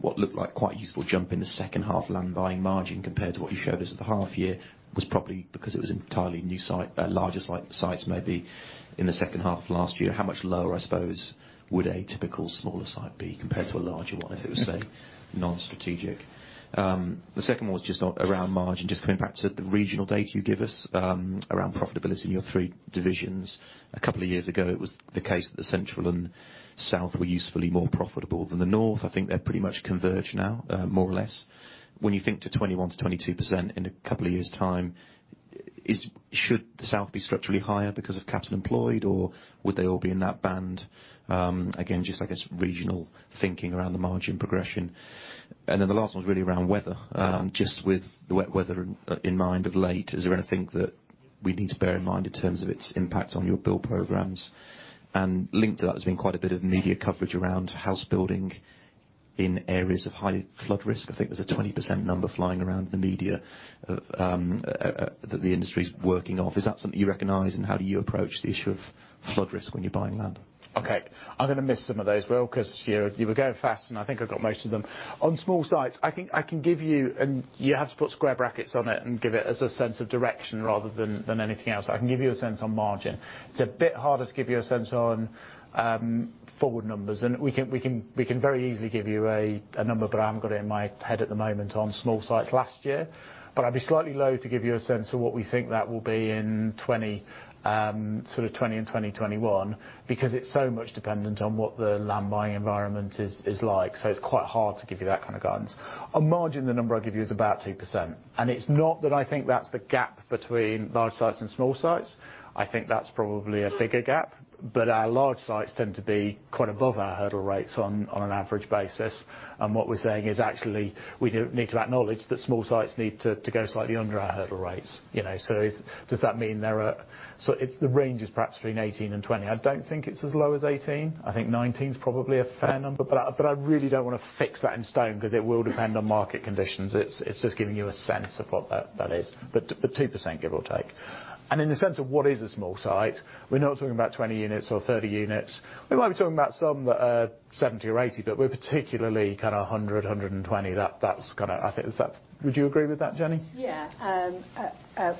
what looked like quite a useful jump in the second half land buying margin compared to what you showed us at the half year was probably because it was entirely larger sites maybe in the second half of last year. How much lower, I suppose, would a typical smaller site be compared to a larger one if it was, say, non-strategic? The second one was just around margin. Just coming back to the regional data you give us around profitability in your three divisions. A couple of years ago, it was the case that the central and south were usefully more profitable than the north. I think they're pretty much converged now, more or less. When you think to 21%-22% in a couple of years' time, should the south be structurally higher because of capital employed, or would they all be in that band? Again, just I guess regional thinking around the margin progression. Then the last one was really around weather. Just with the wet weather in mind of late, is there anything that we need to bear in mind in terms of its impact on your build programmes? Linked to that, there's been quite a bit of media coverage around house building in areas of high flood risk. I think there's a 20% number flying around in the media that the industry's working off. Is that something you recognise, and how do you approach the issue of flood risk when you're buying land? Okay. I'm going to miss some of those, Will, because you were going fast and I think I've got most of them. On small sites, I think I can give you, and you have to put square brackets on it and give it as a sense of direction rather than anything else. I can give you a sense on margin. It's a bit harder to give you a sense on forward numbers. We can very easily give you a number, but I haven't got it in my head at the moment on small sites last year. I'd be slightly low to give you a sense of what we think that will be in sort of 2020 and 2021, because it's so much dependent on what the land buying environment is like. It's quite hard to give you that kind of guidance. On margin, the number I'll give you is about 2%. It's not that I think that's the gap between large sites and small sites. I think that's probably a bigger gap. Our large sites tend to be quite above our hurdle rates on an average basis. What we're saying is actually, we do need to acknowledge that small sites need to go slightly under our hurdle rates. The range is perhaps between 18% and 20%. I don't think it's as low as 18%. I think 19% is probably a fair number. I really don't want to fix that in stone because it will depend on market conditions. It's just giving you a sense of what that is. 2%, give or take. In the sense of what is a small site, we're not talking about 20 units or 30 units. We might be talking about some that are 70 or 80, but we're particularly kind of 100, 120. Would you agree with that, Jennie? Yeah.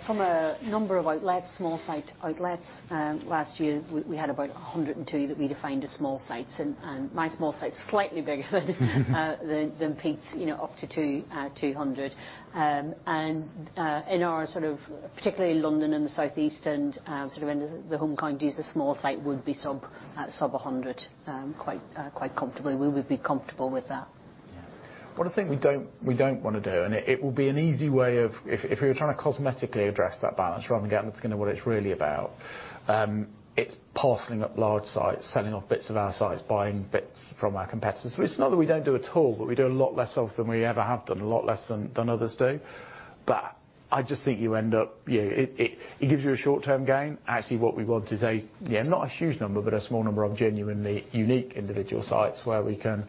From a number of outlets, small site outlets, last year we had about 102 that we defined as small sites. My small site's slightly bigger than Pete's, up to 200. In our sort of particularly London and the South East and sort of the Home Counties, a small site would be sub-100 quite comfortably. We would be comfortable with that. One of the things we don't want to do, and it will be an easy way of if you're trying to cosmetically address that balance rather than getting to what it's really about, it's parceling up large sites, selling off bits of our sites, buying bits from our competitors. It's not that we don't do it at all, but we do a lot less of than we ever have done, a lot less than others do. It gives you a short term gain. Actually what we want is, not a huge number, but a small number of genuinely unique individual sites where we can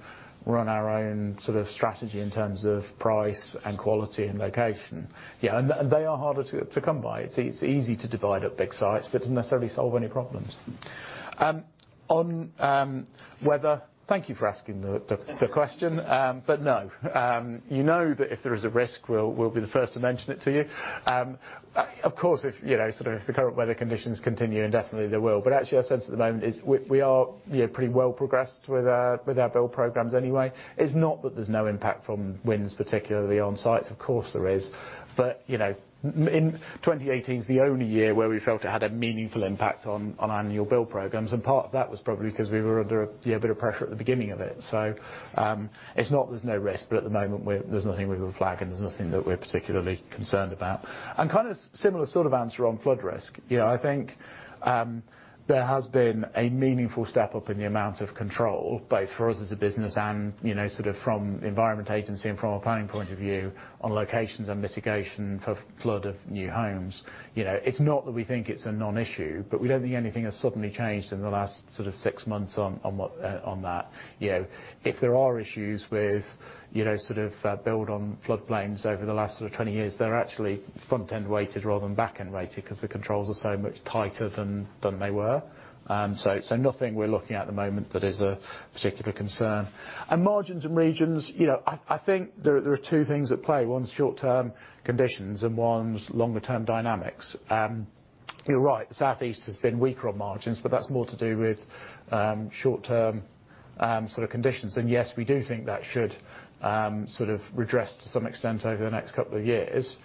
run our own sort of strategy in terms of price and quality and location. They are harder to come by. It's easy to divide up big sites, but it doesn't necessarily solve any problems. On weather, thank you for asking the question. No. You know that if there is a risk, we'll be the first to mention it to you. Of course, if the current weather conditions continue, and definitely they will, but actually our sense at the moment is we are pretty well progressed with our build programmes anyway. It's not that there's no impact from winds, particularly on sites. Of course, there is. 2018 is the only year where we felt it had a meaningful impact on annual build programmes. Part of that was probably because we were under a bit of pressure at the beginning of it. It's not there's no risk, but at the moment, there's nothing we would flag, and there's nothing that we're particularly concerned about. Kind of similar sort of answer on flood risk. I think, there has been a meaningful step up in the amount of control, both for us as a business and sort of from the Environment Agency and from a planning point of view on locations and mitigation for flood of new homes. It's not that we think it's a non-issue, but we don't think anything has suddenly changed in the last six months on that. If there are issues with build on flood plains over the last sort of 20 years, they're actually front-end weighted rather than back-end weighted because the controls are so much tighter than they were. Nothing we're looking at the moment that is a particular concern. Margins and regions, I think there are two things at play. One's short term conditions and one's longer term dynamics. You're right, the South East has been weaker on margins, but that's more to do with short term conditions. Yes, we do think that should redress to some extent over the next couple of years.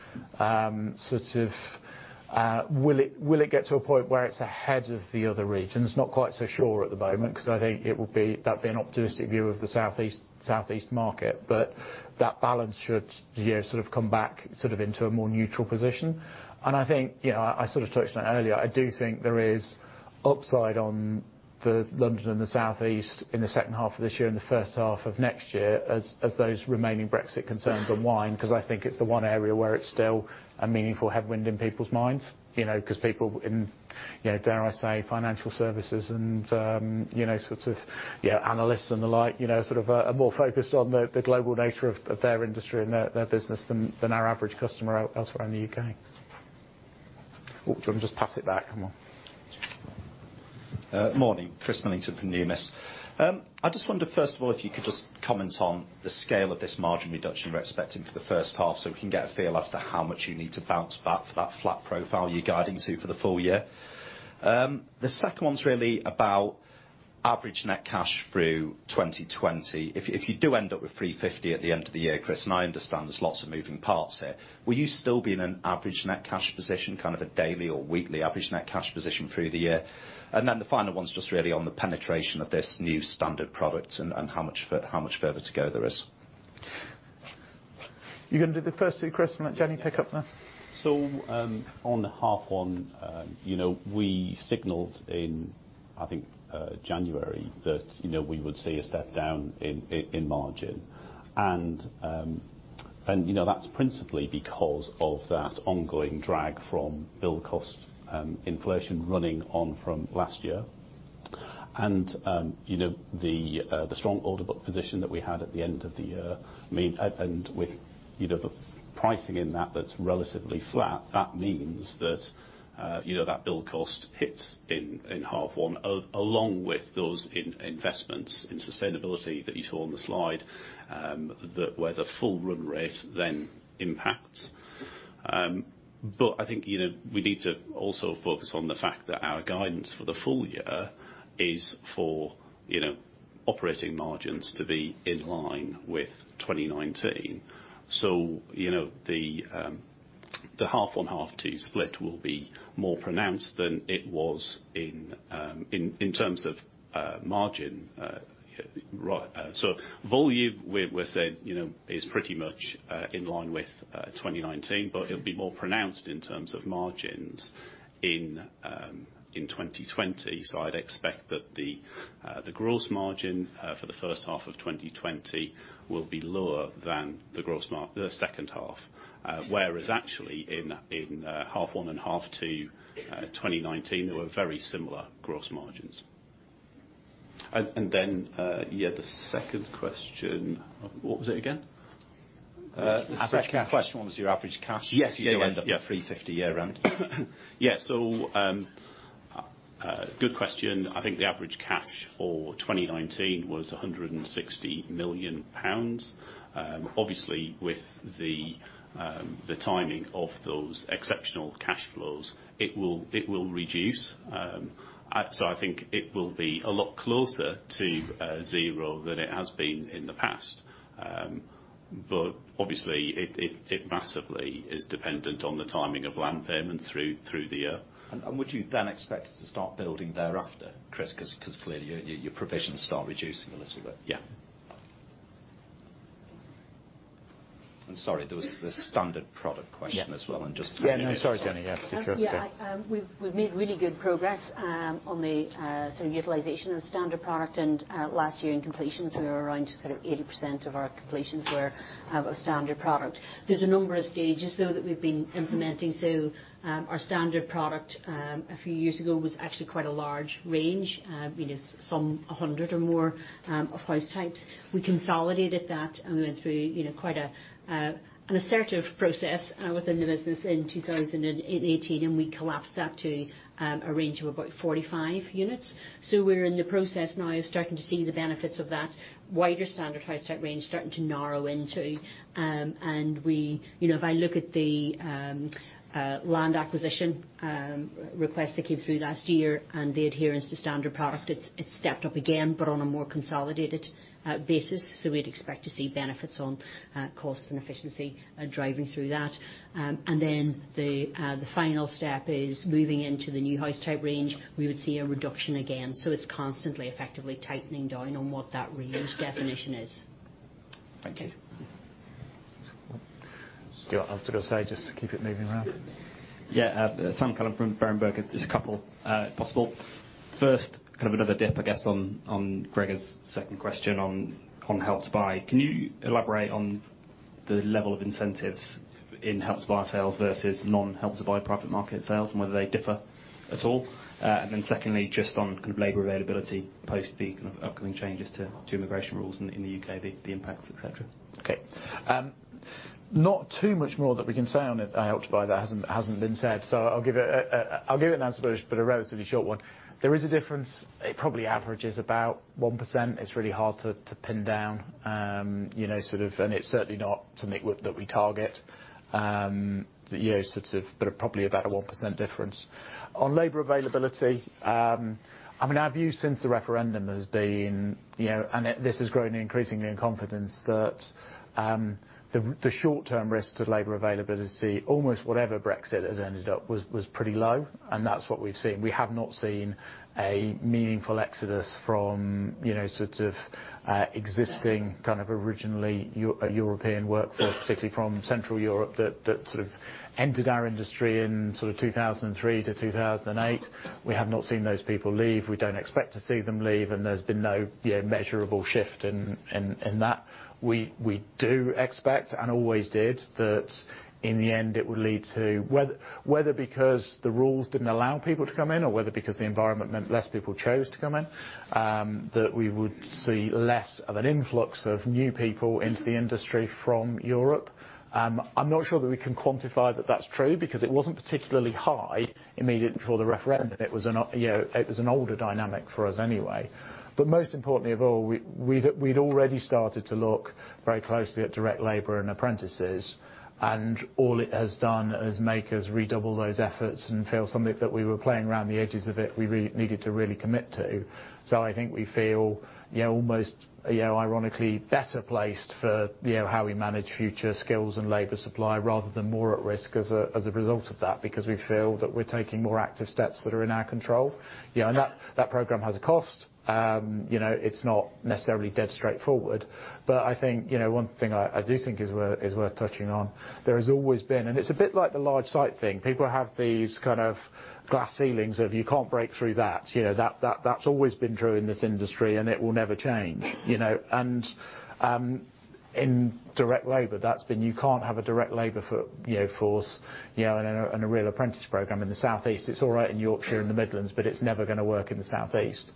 Will it get to a point where it's ahead of the other regions? Not quite so sure at the moment, because I think that'd be an optimistic view of the South East market. That balance should come back into a more neutral position. I think, I sort of touched on it earlier, I do think there is upside on the London and the South East in the second half of this year and the first half of next year as those remaining Brexit concerns unwind, because I think it's the one area where it's still a meaningful headwind in people's minds. People in, dare I say, financial services and analysts and the like, are more focused on the global nature of their industry and their business than our average customer elsewhere in the U.K. Do you want me to just pass it back, or what? Morning. Chris Millington from Numis. I just wonder, first of all, if you could just comment on the scale of this margin reduction you're expecting for the first half, so we can get a feel as to how much you need to bounce back for that flat profile you're guiding to for the full year. The second one's really about average net cash through 2020. If you do end up with 350 at the end of the year, Chris, I understand there's lots of moving parts here, will you still be in an average net cash position, kind of a daily or weekly average net cash position through the year? The final one's just really on the penetration of this new standard product and how much further to go there is? You going to do the first two, Chris, and let Jennie pick up. On the half one, we signaled in, I think, January that we would see a step down in margin. That's principally because of that ongoing drag from build cost inflation running on from last year. The strong order book position that we had at the end of the year and with the pricing in that that's relatively flat, that means that that build cost hits in half one, along with those investments in sustainability that you saw on the slide, where the full run rate then impacts. I think we need to also focus on the fact that our guidance for the full year is for operating margins to be in line with 2019. The half one, half two split will be more pronounced than it was in terms of margin. Volume we're saying is pretty much in line with 2019, but it'll be more pronounced in terms of margins in 2020. I'd expect that the gross margin for the first half of 2020 will be lower than the second half. Whereas actually in half one and half two 2019, they were very similar gross margins. Then, the second question, what was it again? The second question was your average cash. Yes. If you do end up with 350 million year round. Yeah. Good question. I think the average cash for 2019 was 160 million pounds. Obviously with the timing of those exceptional cash flows, it will reduce. I think it will be a lot closer to zero than it has been in the past. Obviously it massively is dependent on the timing of land payments through the year. Would you then expect it to start building thereafter, Chris? Because clearly your provisions start reducing a little bit. Yeah. Sorry, there was the standard product question as well. I'm just combining it. Yeah. No, sorry, Jennie. Yeah. Yeah. We've made really good progress on the utilization of standard product. Last year in completions, we were around sort of 80% of our completions were of a standard product. There's a number of stages, though, that we've been implementing. Our standard product, a few years ago, was actually quite a large range, some 100 or more, of house types. We consolidated that. We went through quite an assertive process within the business in 2018. We collapsed that to a range of about 45 units. We're in the process now of starting to see the benefits of that wider standard house type range starting to narrow into. If I look at the land acquisition request that came through last year and the adherence to standard product, it's stepped up again but on a more consolidated basis. We'd expect to see benefits on cost and efficiency driving through that. Then the final step is moving into the new house type range. We would see a reduction again. It's constantly effectively tightening down on what that range definition is. Thank you. Do you want to say just to keep it moving around? Yeah. Sam Cullen from Berenberg. Just a couple possible. First, kind of another dip, I guess, on Gregor's second question on Help to Buy. Can you elaborate on the level of incentives in Help to Buy sales versus non-Help to Buy private market sales, and whether they differ at all? Secondly, just on kind of labour availability post the kind of upcoming changes to immigration rules in the U.K., the impacts, et cetera. Okay. Not too much more that we can say on Help to Buy that hasn't been said. I'll give it an answer, but a relatively short one. There is a difference. It probably averages about 1%. It's really hard to pin down, and it's certainly not something that we target. Probably about a 1% difference. On labour availability, our view since the referendum has been, and this has grown increasingly in confidence, that the short-term risks to labour availability, almost whatever Brexit has ended up, was pretty low, and that's what we've seen. We have not seen a meaningful exodus from existing kind of originally European workforce, particularly from Central Europe, that sort of entered our industry in sort of 2003 to 2008. We have not seen those people leave. We don't expect to see them leave, and there's been no measurable shift in that. We do expect, and always did, that in the end, it would lead to, whether because the rules didn't allow people to come in or whether because the environment meant less people chose to come in, that we would see less of an influx of new people into the industry from Europe. I'm not sure that we can quantify that that's true, because it wasn't particularly high immediately before the referendum. It was an older dynamic for us anyway. Most importantly of all, we'd already started to look very closely at direct labour and apprentices, and all it has done is make us redouble those efforts and feel something that we were playing around the edges of it, we really needed to really commit to. I think we feel almost ironically better placed for how we manage future skills and labour supply rather than more at risk as a result of that, because we feel that we're taking more active steps that are in our control. That programme has a cost. It's not necessarily dead straightforward. One thing I do think is worth touching on, there has always been, and it's a bit like the large site thing. People have these kind of glass ceilings of you can't break through that. That's always been true in this industry, and it will never change. In direct labour, that's been you can't have a direct labour force and a real apprentice programme in the South East. It's all right in Yorkshire and the Midlands, but it's never going to work in the South East.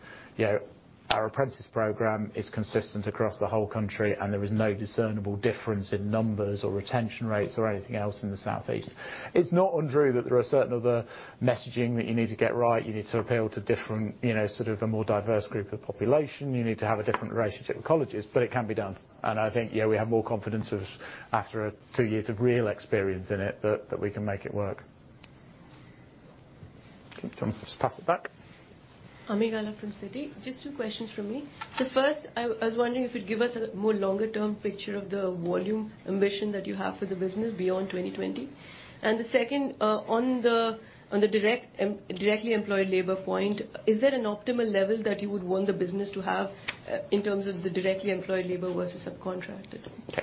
Our apprentice programme is consistent across the whole country, and there is no discernible difference in numbers or retention rates or anything else in the South East. It's not untrue that there are certain other messaging that you need to get right. You need to appeal to different, sort of a more diverse group of population. You need to have a different relationship with colleges, but it can be done. I think, yeah, we have more confidence after two years of real experience in it that we can make it work. I think Sam, just pass it back. Ami Galla from Citi. Just two questions from me. The first, I was wondering if you'd give us a more longer term picture of the volume ambition that you have for the business beyond 2020? The second, on the directly employed labour point, is there an optimal level that you would want the business to have in terms of the directly employed labour versus subcontracted? Okay.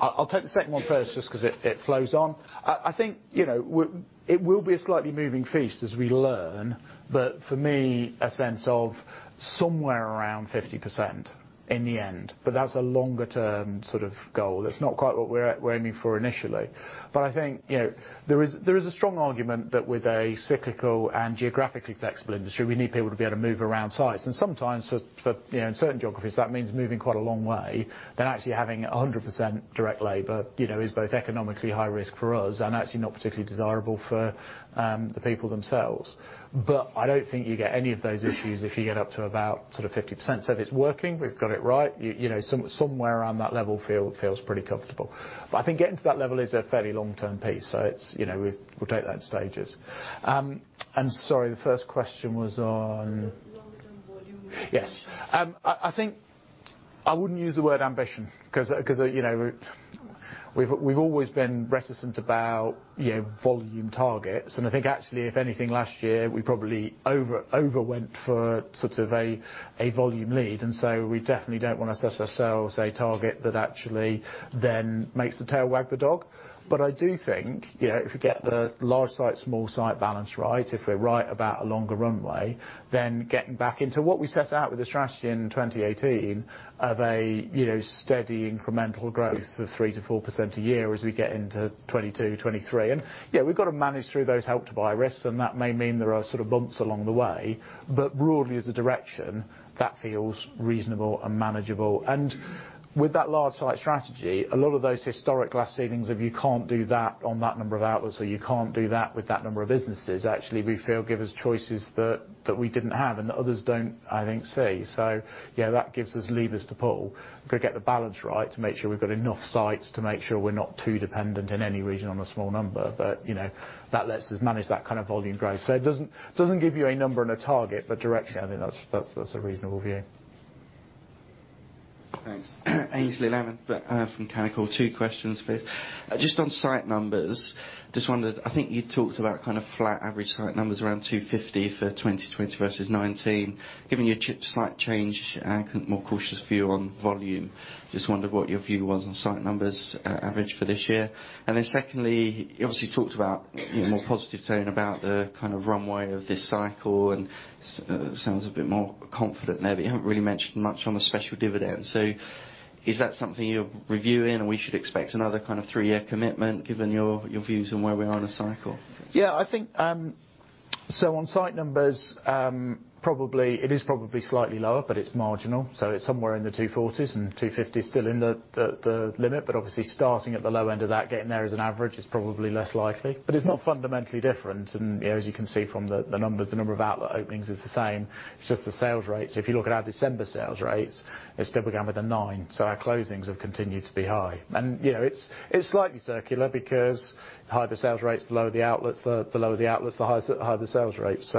I'll take the second one first, just because it flows on. I think it will be a slightly moving feast as we learn. For me, a sense of somewhere around 50% in the end, but that's a longer term sort of goal. That's not quite what we're aiming for initially. I think there is a strong argument that with a cyclical and geographically flexible industry, we need people to be able to move around sites. Sometimes, in certain geographies, that means moving quite a long way. Actually having 100% direct labour is both economically high risk for us and actually not particularly desirable for the people themselves. I don't think you get any of those issues if you get up to about sort of 50%. If it's working, we've got it right. Somewhere around that level feels pretty comfortable. I think getting to that level is a fairly long-term piece. We'll take that in stages. Sorry, the first question was on. The longer term. Yes. I think I wouldn't use the word ambition because we've always been reticent about volume targets, and I think actually, if anything, last year, we probably over went for sort of a volume lead. We definitely don't want to set ourselves a target that actually then makes the tail wag the dog. I do think, if we get the large site, small site balance right, if we're right about a longer runway, then getting back into what we set out with the strategy in 2018 of a steady incremental growth of 3%-4% a year as we get into 2022, 2023. Yeah, we've got to manage through those Help to Buy risks, and that may mean there are sort of bumps along the way, but broadly, as a direction, that feels reasonable and manageable. With that large site strategy, a lot of those historic glass ceilings of you can't do that on that number of outlets or you can't do that with that number of businesses, actually, we feel give us choices that we didn't have and that others don't, I think, see. Yeah, that gives us levers to pull. We've got to get the balance right to make sure we've got enough sites to make sure we're not too dependent in any region on a small number. That lets us manage that kind of volume growth. It doesn't give you a number and a target, but direction, I think that's a reasonable view. Thanks. Aynsley Lammin from Canaccord. Two questions, please. Just on site numbers, just wondered, I think you talked about kind of flat average site numbers around 250 for 2020 versus 2019. Given your slight change and more cautious view on volume, just wondered what your view was on site numbers average for this year. Secondly, you obviously talked about more positive tone about the kind of runway of this cycle and sounds a bit more confident there, but you haven't really mentioned much on the special dividend. Is that something you're reviewing and we should expect another kind of three-year commitment given your views on where we are in a cycle? Yeah, I think on site numbers, it is probably slightly lower, but it's marginal. It's somewhere in the 240s and 250 is still in the limit. Obviously, starting at the low end of that, getting there as an average is probably less likely. It's not fundamentally different. As you can see from the numbers, the number of outlet openings is the same. It's just the sales rates. If you look at our December sales rates, they still began with a nine. Our closings have continued to be high. It's slightly circular because the higher the sales rates, the lower the outlets, the lower the outlets, the higher the sales rates.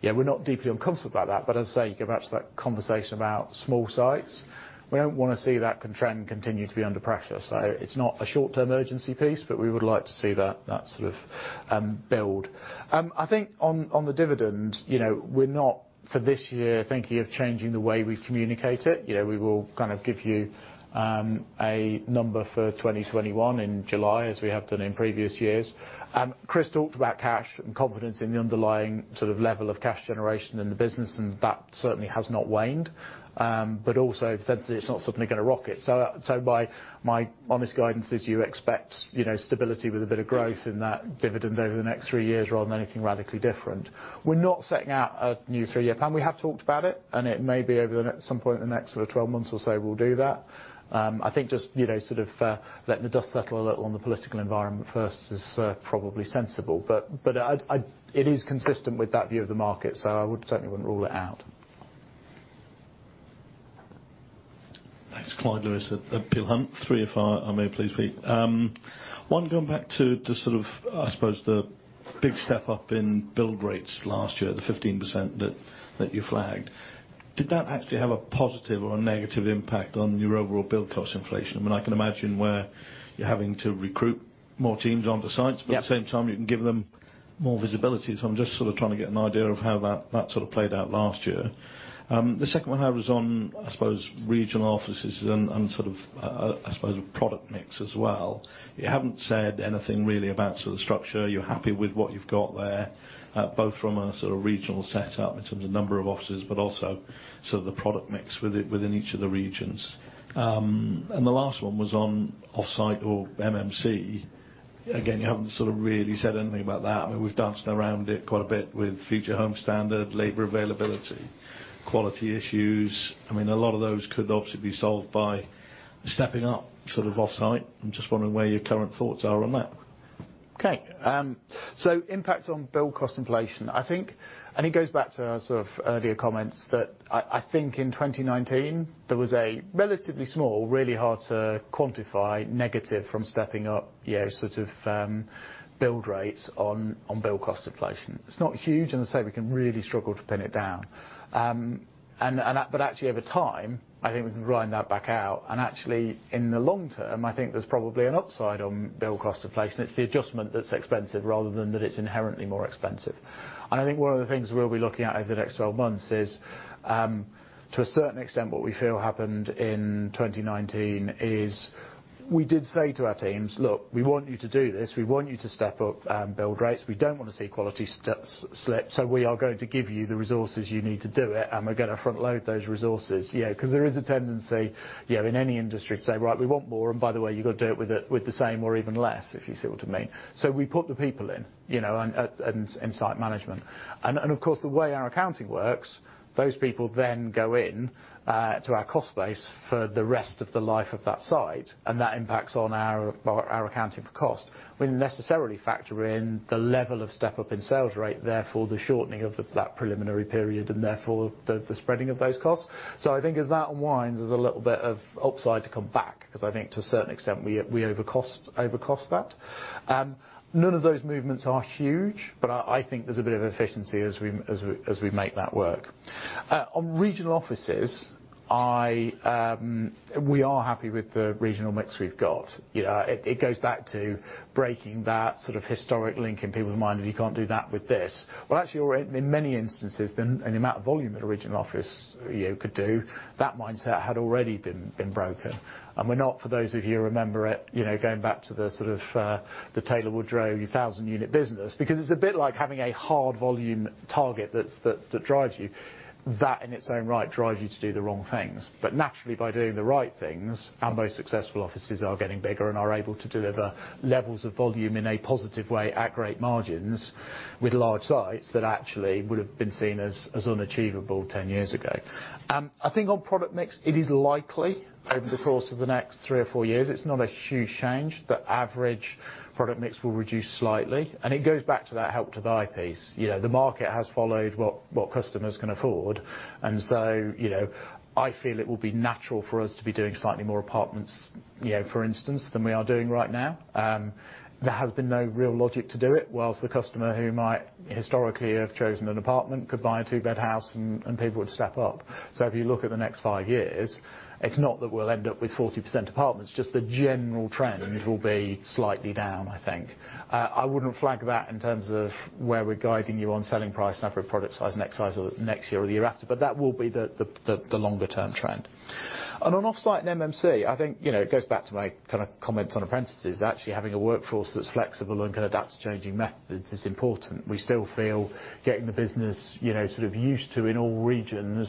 Yeah, we're not deeply uncomfortable about that. As I say, you go back to that conversation about small sites. We don't want to see that trend continue to be under pressure. It's not a short-term urgency piece, but we would like to see that sort of build. I think on the dividend, we're not for this year thinking of changing the way we communicate it. We will give you a number for 2021 in July as we have done in previous years. Chris talked about cash and confidence in the underlying sort of level of cash generation in the business, and that certainly has not waned. Also have said that it's not suddenly going to rocket. My honest guidance is you expect stability with a bit of growth in that dividend over the next three years rather than anything radically different. We're not setting out a new three-year plan. We have talked about it, and it may be at some point in the next sort of 12 months or so we'll do that. I think just letting the dust settle a little on the political environment first is probably sensible. It is consistent with that view of the market, so I certainly wouldn't rule it out. Thanks. Clyde Lewis at Peel Hunt. Three if I may please, Pete. One, going back to the sort of, I suppose the big step up in build rates last year, the 15% that you flagged. Did that actually have a positive or a negative impact on your overall build cost inflation? I mean, I can imagine where you're having to recruit more teams onto sites. Yeah. At the same time, you can give them more visibility. I'm just sort of trying to get an idea of how that sort of played out last year. The second one, however, is on, I suppose regional offices and sort of, I suppose product mix as well. You haven't said anything really about sort of structure. You're happy with what you've got there, both from a sort of regional setup in terms of number of offices, but also sort of the product mix within each of the regions. The last one was on offsite or MMC. Again, you haven't sort of really said anything about that. I mean, we've danced around it quite a bit with Future Homes standard, labour availability, quality issues. I mean, a lot of those could obviously be solved by stepping up sort of offsite. I'm just wondering where your current thoughts are on that? Okay. Impact on build cost inflation. I think, it goes back to our sort of earlier comments that I think in 2019, there was a relatively small, really hard to quantify negative from stepping up sort of build rates on build cost inflation. It's not huge and as I say we can really struggle to pin it down. Actually over time, I think we can grind that back out. Actually in the long term, I think there's probably an upside on build cost inflation. It's the adjustment that's expensive rather than that it's inherently more expensive. I think one of the things we'll be looking at over the next 12 months is, to a certain extent, what we feel happened in 2019 is we did say to our teams, "Look, we want you to do this. We want you to step up build rates. We don't want to see quality slip. We are going to give you the resources you need to do it and we're going to front load those resources. Because there is a tendency in any industry to say, "Right, we want more and by the way, you've got to do it with the same or even less," if you see what I mean. We put the people in and site management. Of course, the way our accounting works, those people then go in to our cost base for the rest of the life of that site and that impacts on our accounting for cost. We necessarily factor in the level of step up in sales rate, therefore the shortening of that preliminary period and therefore the spreading of those costs. I think as that unwinds, there's a little bit of upside to come back, because I think to a certain extent, we overcost that. None of those movements are huge, but I think there's a bit of efficiency as we make that work. On regional offices, we are happy with the regional mix we've got. It goes back to breaking that sort of historic link in people's mind that you can't do that with this. Well, actually, in many instances, in the amount of volume at a regional office you could do, that mindset had already been broken. We're not, for those of you who remember it, going back to the sort of, the Taylor Woodrow 1,000-unit business, because it's a bit like having a hard volume target that drives you. That, in its own right, drives you to do the wrong things. Naturally, by doing the right things, our most successful offices are getting bigger and are able to deliver levels of volume in a positive way at great margins with large sites that actually would've been seen as unachievable 10 years ago. I think on product mix, it is likely over the course of the next three or four years, it's not a huge change. The average product mix will reduce slightly, and it goes back to that Help to Buy piece. The market has followed what customers can afford, I feel it will be natural for us to be doing slightly more apartments, for instance, than we are doing right now. There has been no real logic to do it, while the customer who might historically have chosen an apartment could buy a two-bed house and people would step up. If you look at the next five years, it's not that we'll end up with 40% apartments, just the general trend will be slightly down, I think. I wouldn't flag that in terms of where we're guiding you on selling price and average product size next year or the year after, but that will be the longer term trend. On offsite and MMC, I think it goes back to my kind of comments on apprentices. Actually, having a workforce that's flexible and can adapt to changing methods is important. We still feel getting the business sort of used to in all regions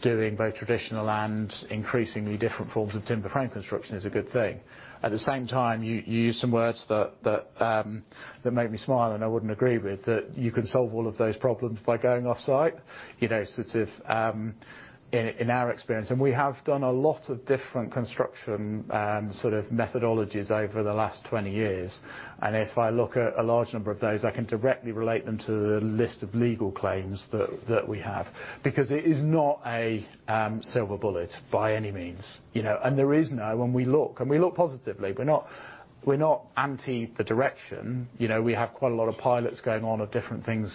doing both traditional and increasingly different forms of timber frame construction is a good thing. At the same time, you used some words that made me smile and I wouldn't agree with, that you can solve all of those problems by going offsite. In our experience, and we have done a lot of different construction methodologies over the last 20 years, and if I look at a large number of those, I can directly relate them to the list of legal claims that we have. It is not a silver bullet by any means. There is no, when we look, and we look positively. We're not anti the direction. We have quite a lot of pilots going on of different things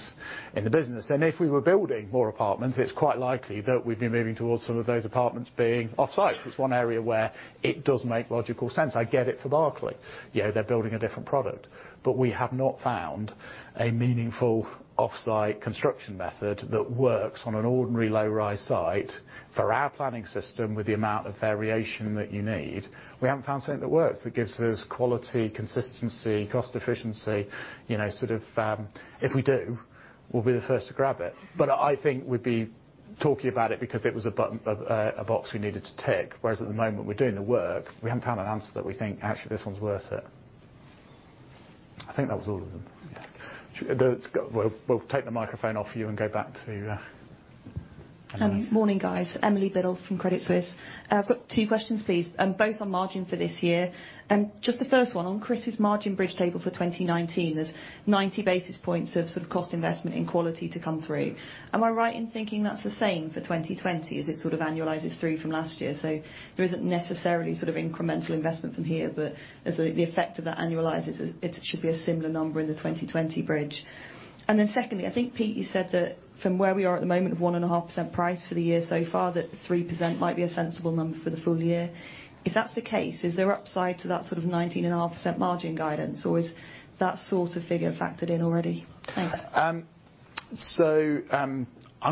in the business. If we were building more apartments, it's quite likely that we'd be moving towards some of those apartments being offsite. It's one area where it does make logical sense. I get it for Berkeley. They're building a different product. We have not found a meaningful offsite construction method that works on an ordinary low-rise site for our planning system with the amount of variation that you need. We haven't found something that works, that gives us quality, consistency, cost efficiency. If we do, we'll be the first to grab it. I think we'd be talking about it because it was a box we needed to tick, whereas at the moment we're doing the work. We haven't found an answer that we think, "Actually, this one's worth it." I think that was all of them. Yeah. We'll take the microphone off you and go back to. Morning, guys. Emily Biddulph from Credit Suisse. I've got two questions, please, both on margin for this year. Just the first one. On Chris's margin bridge table for 2019, there's 90 basis points of sort of cost investment in quality to come through. Am I right in thinking that's the same for 2020, as it sort of annualises through from last year? There isn't necessarily sort of incremental investment from here, but as the effect of that annualises, it should be a similar number in the 2020 bridge. Secondly, I think, Pete, you said that from where we are at the moment of 1.5% price for the year so far, that 3% might be a sensible number for the full year. If that's the case, is there upside to that sort of 19.5% margin guidance, or is that sort of figure factored in already? Thanks. I'm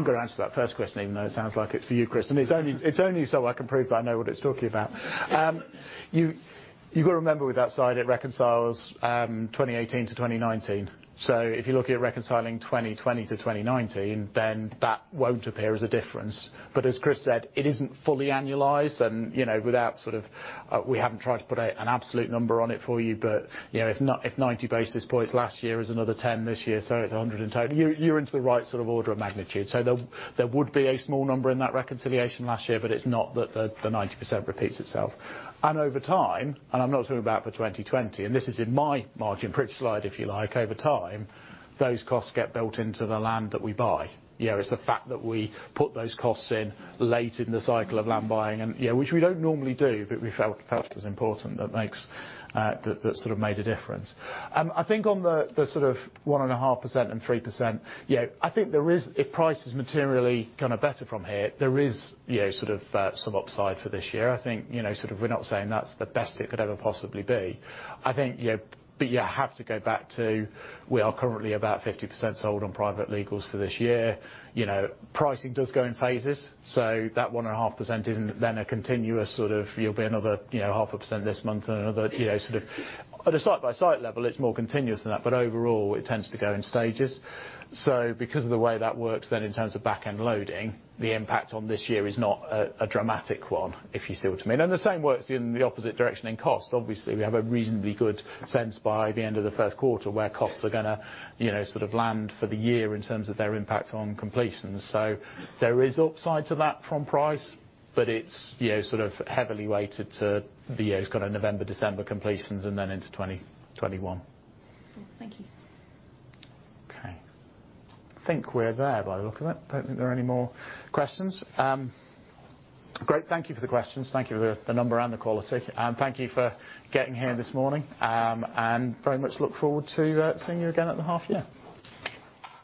going to answer that first question, even though it sounds like it's for you, Chris. It's only so I can prove that I know what it's talking about. You've got to remember with that slide, it reconciles 2018 to 2019. If you're looking at reconciling 2020 to 2019, then that won't appear as a difference. As Chris said, it isn't fully annualised, and we haven't tried to put an absolute number on it for you. If 90 basis points last year is another 10 this year, so it's 100 in total. You're into the right sort of order of magnitude. There would be a small number in that reconciliation last year, but it's not that the 90% repeats itself. Over time, and I'm not talking about for 2020, and this is in my margin bridge slide, if you like. Over time, those costs get built into the land that we buy. It's the fact that we put those costs in late in the cycle of land buying, which we don't normally do, but we felt it was important. That sort of made a difference. I think on the sort of 1.5% and 3%, I think if price is materially kind of better from here, there is sort of some upside for this year. I think we're not saying that's the best it could ever possibly be. You have to go back to, we are currently about 50% sold on private legals for this year. Pricing does go in phases. That 1.5% isn't then a continuous sort of, it'll be another 0.5% this month. On a site-by-site level, it's more continuous than that. Overall, it tends to go in stages. Because of the way that works then in terms of back-end loading, the impact on this year is not a dramatic one, if you see what I mean. The same works in the opposite direction in cost. Obviously, we have a reasonably good sense by the end of the first quarter where costs are going to land for the year in terms of their impact on completions. There is upside to that from price, but it's sort of heavily weighted to November, December completions, and then into 2021. Thank you. Okay. I think we're there by the look of it. Don't think there are any more questions. Great. Thank you for the questions. Thank you for the number and the quality. Thank you for getting here this morning. Very much look forward to seeing you again at the half year.